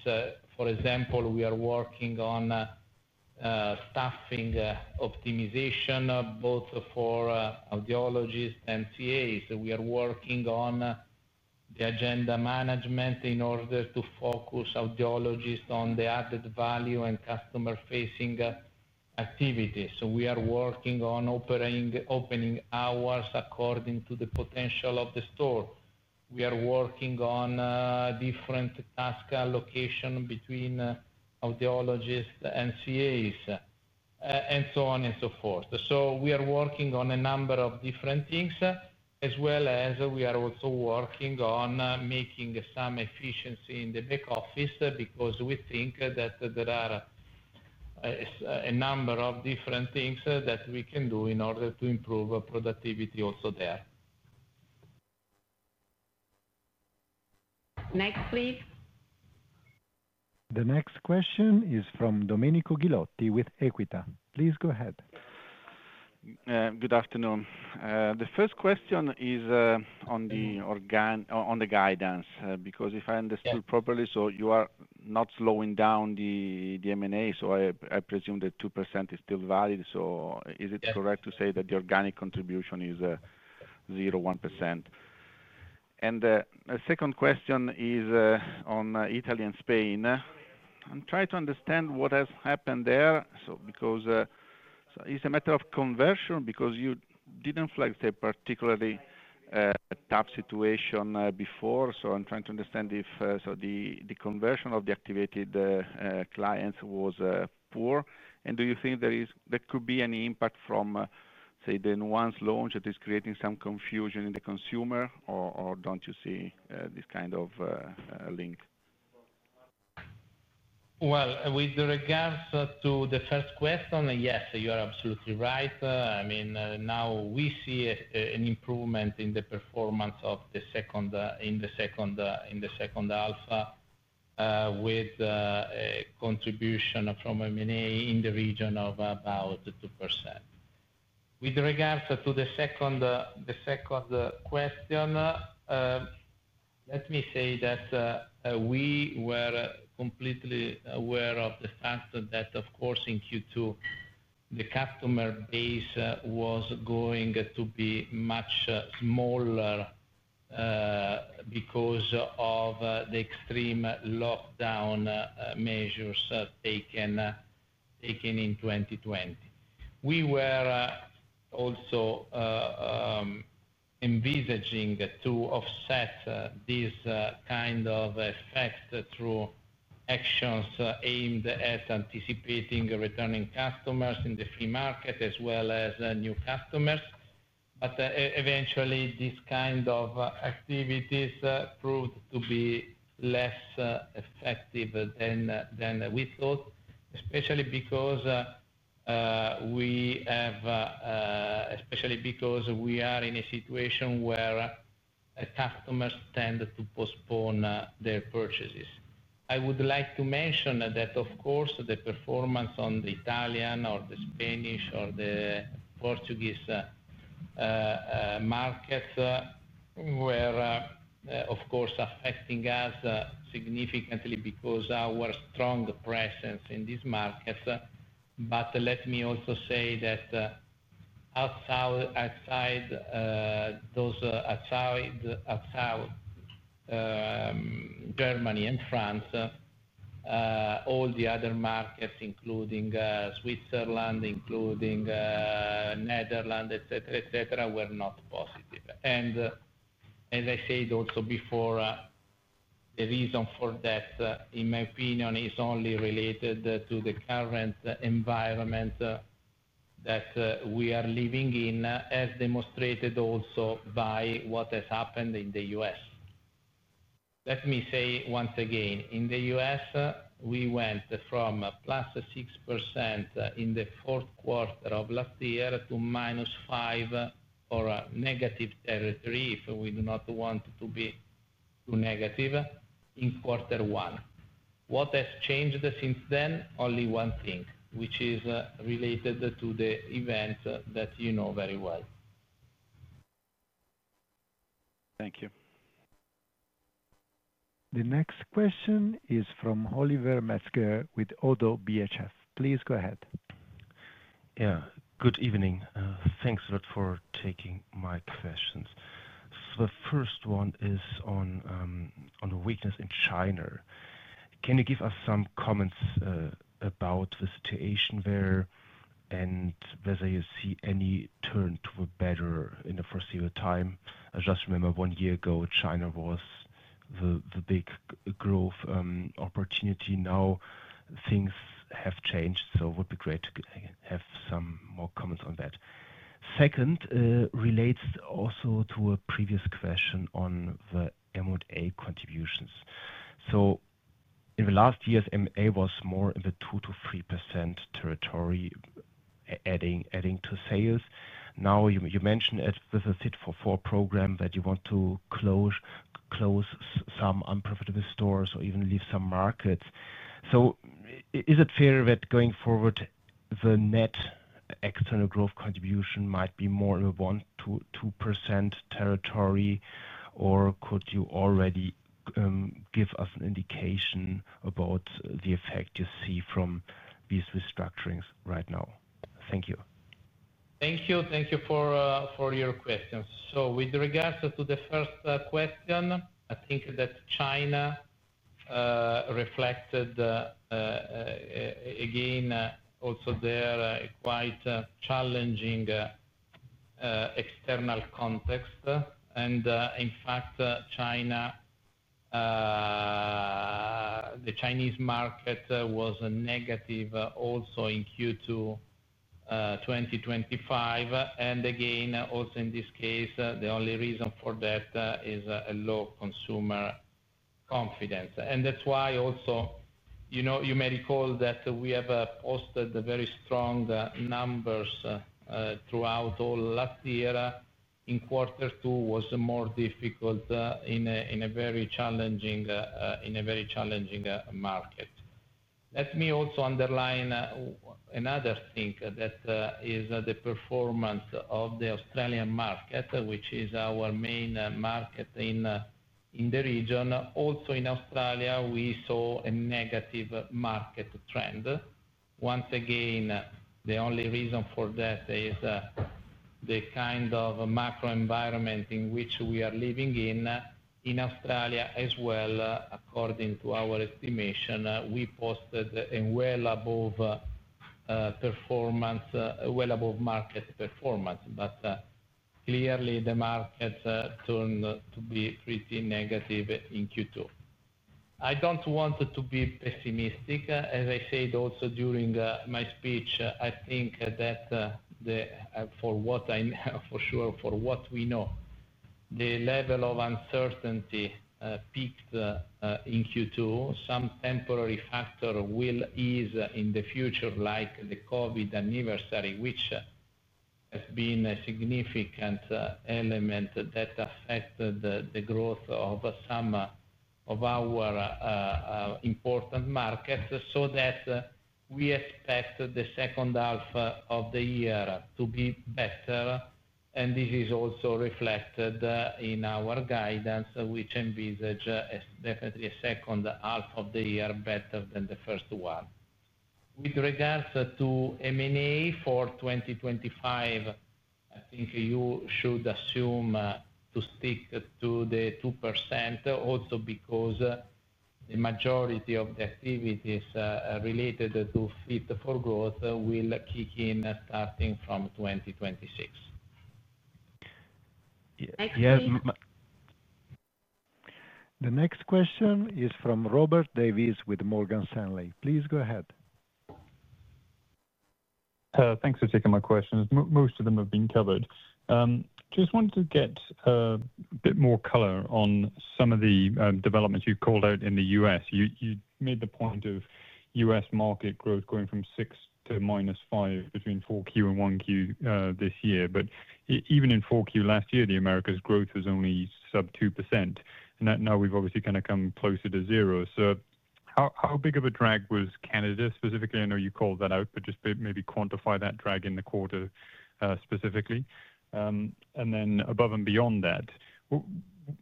For example, we are working on staffing optimization both for audiologists and CAs. We are working on the agenda management in order to focus audiologists on the added value and customer-facing activities. We are working on opening hours according to the potential of the store. We are working on different task allocation between audiologists and CAs and so on and so forth. We are working on a number of different things as well as we are also working on making some efficiency in the back office because we think that there are a number of different things that we can do in order to improve productivity. Also there are. Next please. The next question is from Domenico Ghilotti with Equita. Please go ahead. Good afternoon. The first question is. On the guidance, because if I understood properly, you are not slowing down the M&A, so I presume that 2% is still valid. Is it correct to say that the organic contribution is 0.01%? The second question is on Italy and Spain. I'm trying to understand what has happened. It's a matter of conversion because you didn't flag the particularly tough situation before. I'm trying to understand if the. Conversion of the activated clients was poor. Do you think there could be any impact from, say, then once launched, it is creating some confusion in the consumer, or don't you see this kind of link? With regards to the first question, yes, you are absolutely right. I mean, now we see an improvement in the performance in the second half with contribution from M&A in the region of about 20. With regards to the second question. Let. me say that we were completely aware of the fact that of course in Q2 the customer base was going to be much smaller because of the extreme lockdown measures taken in 2020. We were also envisaging to offset this kind of effect through actions aimed at anticipating returning customers in the free market as well as new customers. Eventually, this kind of activity proved to be less effective than we thought, especially because we are in a situation where customers tend to postpone their purchases. I would like to mention that of course the performance on the Italian or the Spanish or the Portuguese markets was of course affecting us significantly because of our strong presence in these markets. Let me also say that outside Germany and France, all the other markets, including Switzerland, including the Netherlands, etc. were not positive. As I said before, the reason for that in my opinion is only related to the current environment that we are living in, as demonstrated also by what has happened in the U.S. Let me say once again in the U.S. we went from plus 6% in the fourth quarter of last year to minus 5% or negative territory if we do not want to be negative in quarter one. What has changed since then? Only one thing, which is related to the event that you know very well. Thank you. The next question is from Oliver Metzger with Oddo BHF. Please go ahead. Yeah, good evening. Thanks a lot for taking my questions. The first one is on the weakness in China. Can you give us some comments about the situation there and whether you see any turn to a better in the foreseeable time? I just remember one year ago China was the big growth opportunity. Now things have changed, so would be great to have some more comments on that. Second relates also to a previous question on the M&A contributions. In the last years, M&A was more in the 2 to 3% territory adding to sales. Now you mentioned with the Fit for Growth program that you want to close some unprofitable stores or even leave some markets. Is it fair that going forward the net external growth contribution might be more 1 to 2% territory? Or could you already give us an indication about the effect you see from these restructurings right now? Thank you. Thank you. Thank you for your questions. With regards to the first question, I think that China reflected again also there quite challenging external context, and in fact China, the Chinese market was negative also in Q2 2025, and again also in this case the only reason for that is a low consumer confidence. That's why also, you know, you may recall that we have posted the very strong numbers throughout all last year and quarter two was more difficult in a very challenging market. Let me also underline another thing that is the performance of the Australian market, which is our main market in the region. Also in Australia we saw a negative market trend. Once again, the only reason for that is the kind of macro environment in which we are living in Australia as well. According to our estimation, we posted a well above performance, well above market performance, but clearly the market turned to be pretty negative in Q2. I don't want to be pessimistic. As I said also during my speech, I think that for what I know for sure, for what we know, the level of uncertainty peaked in Q2. Some temporary factor will ease in the future like the COVID anniversary, which has been a significant element that affected the growth of some of our important markets. We expect the second half of the year to be better. This is also reflected in our guidance, which envisage definitely a second half of the year better than the first one. With regards to M&A for 2025, I think you should assume to stick to the 2% also because the majority of the activities related to Fit for Growth will kick in starting from 2026. The next question is from Robert Davies with Morgan Stanley. Please go ahead. Thanks for taking my questions. Most of them have been covered. Just wanted to get a bit more color on some of the developments you called out. In the U.S. you made the point of U.S. market growth going from 6% to -5% between 4Q and 1Q this year. Even in 4Q last year the Americas growth was only sub 2% and now we've obviously kind of come closer to zero. How big of a drag was Canada specifically? I know you called that out, but maybe quantify that drag in the quarter specifically. Above and beyond that,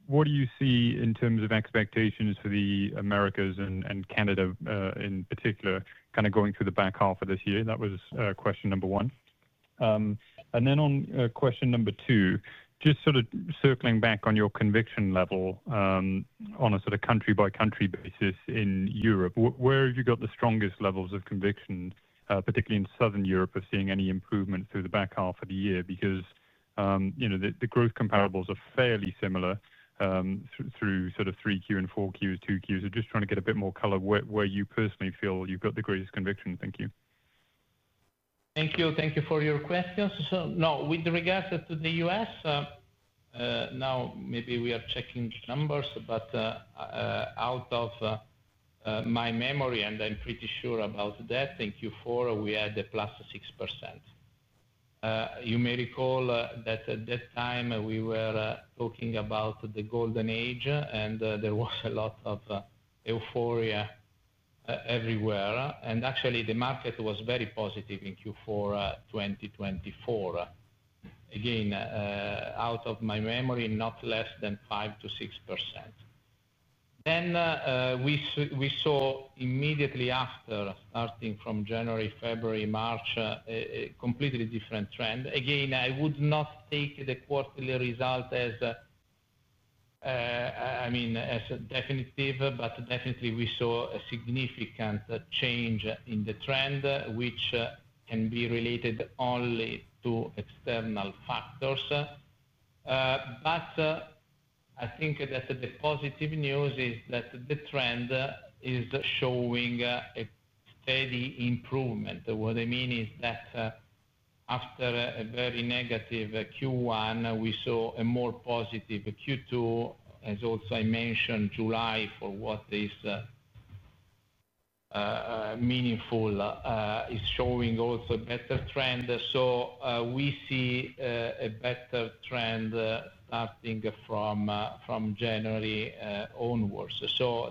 what do you see in terms of expectations for the Americas and Canada in particular going through the back half of this year? That was question number one. On question number two, just circling back on your conviction level on a country by country basis in Europe, where have you got the strongest levels of conviction, particularly in Southern Europe, of seeing any improvement through the back half of the year? The growth comparables are fairly similar through 3Q and 4Q's 2Q's. I'm just trying to get a bit more color where you personally feel you've got the greatest conviction. Thank you, Thank you. Thank you for your questions. Now with regards to the U.S., maybe we are checking numbers, but out of my memory, and I'm pretty sure about that, in Q4 we had plus 6%. You may recall that at that time we were talking about the golden age and there was a lot of euphoria everywhere. Actually, the market was very positive in Q4 2024, again, out of my memory, not less than 5 to 6%. We saw immediately after, starting from January, February, March, a completely different trend. I would not take the quarterly result as definitive, but definitely we saw a significant change in the trend, which can be related only to external factors. I think that the positive news is that the trend is showing a steady improvement. What I mean is that after a very negative Q1, we saw a more positive Q2. As also I mentioned, July, for what is meaningful, is showing also better trend. We see a better trend starting from January onwards.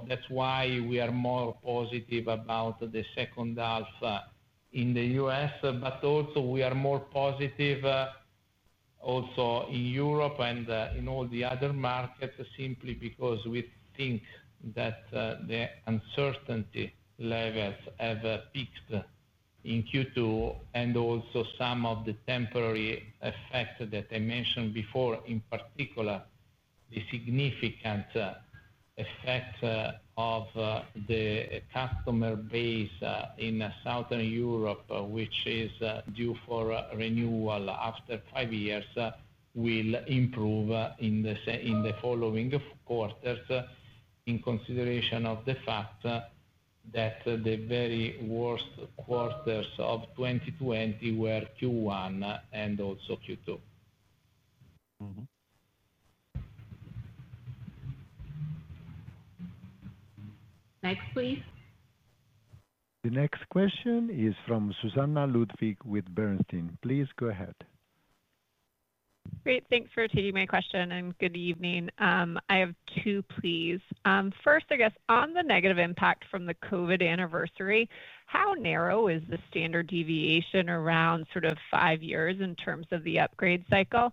That's why we are more positive about the second half in the U.S., but also we are more positive also in Europe and in all the other markets simply because we think that the uncertainty levels have peaked in Q2. Also, some of the temporary effect that I mentioned before, in particular the significant effect of the customer base in Southern Europe, which is due for renewal after five years, will improve in the following quarters in consideration of the fact that the very worst quarters of 2020 were Q1. Also, you do. Next please. The next question is from Susannah Ludwig with Bernstein. Please go ahead. Great. Thanks for taking my question. Good evening. I have two, please. First, on the negative impact from the COVID anniversary, how narrow is the standard deviation around sort of five years in terms of the upgrade cycle?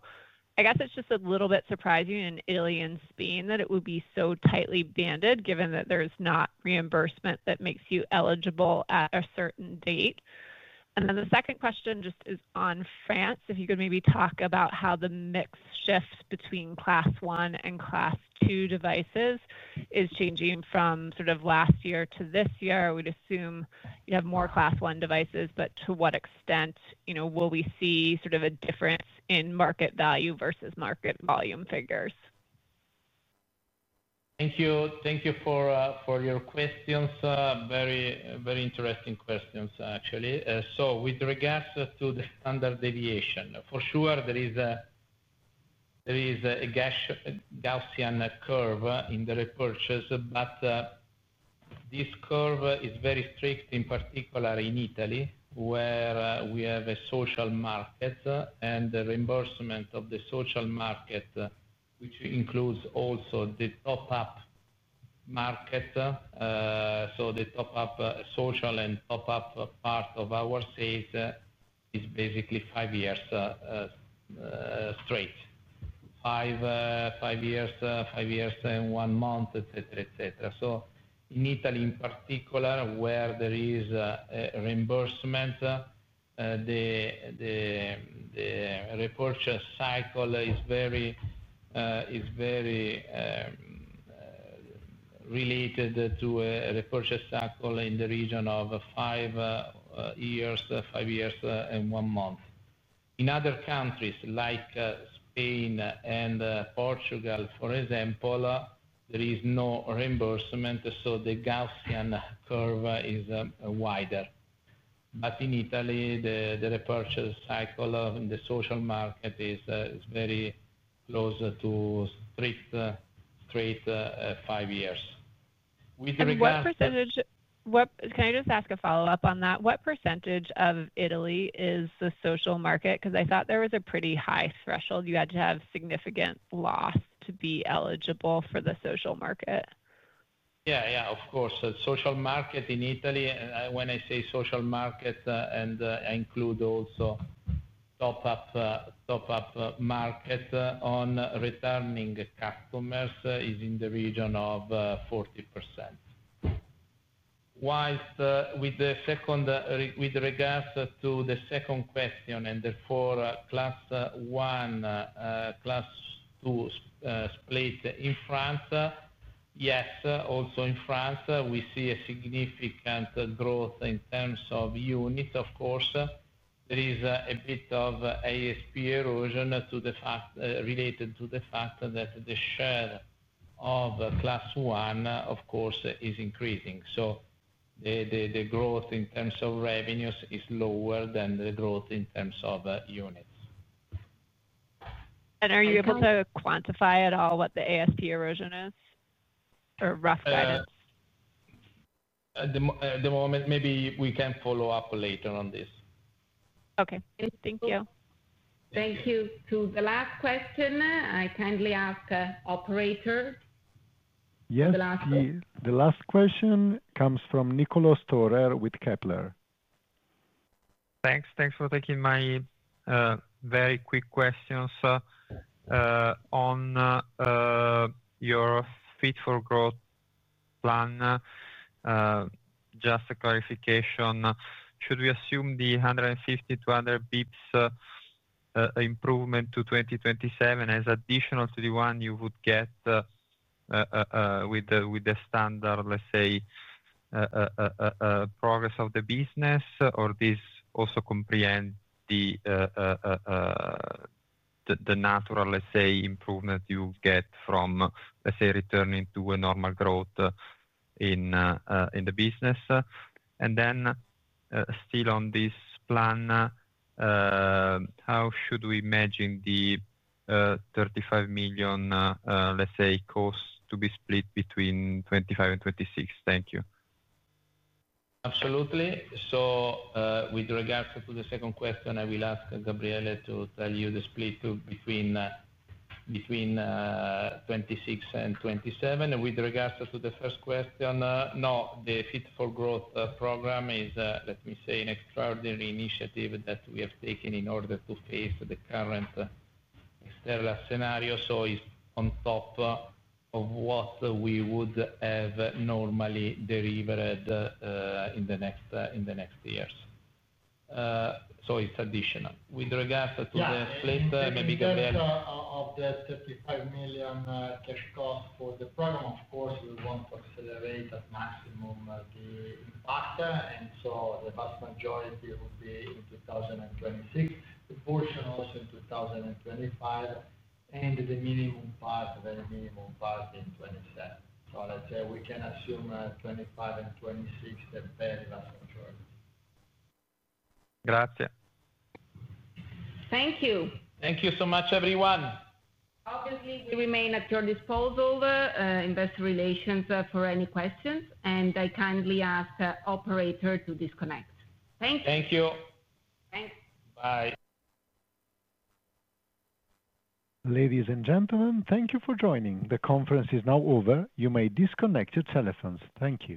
It's just a little bit surprising in Italy and Spain that it would be so tightly banded, given that there's not reimbursement that makes you eligible at a certain date. The second question is on France, if you could maybe talk about how the mix shift between Class 1 and Class 2 devices is changing from last year to this year. We'd assume you have more Class 1 devices, but to what extent will we see a difference in market value vs market volume figures? Thank you. Thank you for your questions. Very, very interesting questions actually. With regards to the standard deviation, for sure, there is a Gaussian curve in the repurchase. This curve is very strict, in particular in Italy, where we have a social market and the reimbursement of the social market, which includes also the top up market. The social and top up part of our sales is basically five years straight. Five years, five years, one month, etc. In Italy in particular, where there is reimbursement, the repurchase cycle is very related to the repurchase cycle in the region of five years, five years and one month. In other countries like Spain and Portugal, for example, there is no reimbursement. The Gaussian curve is wider. In Italy, the repurchase cycle in the social market is very close to straight five years. Can I just ask a follow-up on that? What % of Italy is the social market? Because I thought there was a pretty high threshold. You had to have significant loss to be eligible for the social market. Yeah, of course, social market. In Italy, when I say social market and include also top up market on returning customers, it is in the region of 40%. With regards to the second question, and therefore class 1, class 2 split in France, yes, also in France we see a significant growth in terms of units. Of course, there is a bit of ASP erosion related to the fact that the share of class 1, of course, is increasing. The growth in terms of revenues is lower than the growth in terms of units. Are you able to quantify at all what the ASP erosion is or rough guidance? At the moment, maybe we can follow up later on this. Okay, thank you. Thank you. To the last question, I kindly ask operator. The last question comes from Nicolas Torer with Kepler. Thanks. Thanks for taking my very quick questions on your Fit for Growth plan. Just a clarification. Should we assume the 150-200 bps improvement to 2027 as additional to the one you would get with the standard, let's. Say. Progress of the business, or does this also comprehend the natural improvement you get from returning to a normal growth in the business? Still on this plan, how should we imagine the 35 million costs to be split between 2025 and 2026? Thank you. Absolutely. With regards to the second question, I will ask Gabriele to tell you the split between 26 and 27. With regards to the first question, no, the Fit for Growth program is, let me say, an extraordinary initiative that we have taken in order to face the current external scenario. It is on top of what we would have normally delivered in the next years. It is additional with regards to the. Split of the 35 million cash cost for the program. Of course, we want to accelerate at maximum the impact. The vast majority will be in 2026, the portion also in 2025, and the minimum part, very minimum part, in 2027. Let's say we can assume 2025 and 2026. Got it. thank you. Thank you so much, everyone. Obviously, we remain at your disposal, Investor Relations, for any questions. I kindly ask the operator to disconnect. Thank you. Thank you. Ladies and gentlemen, thank you for joining. The conference is now over. You may disconnect your telephones. Thank you.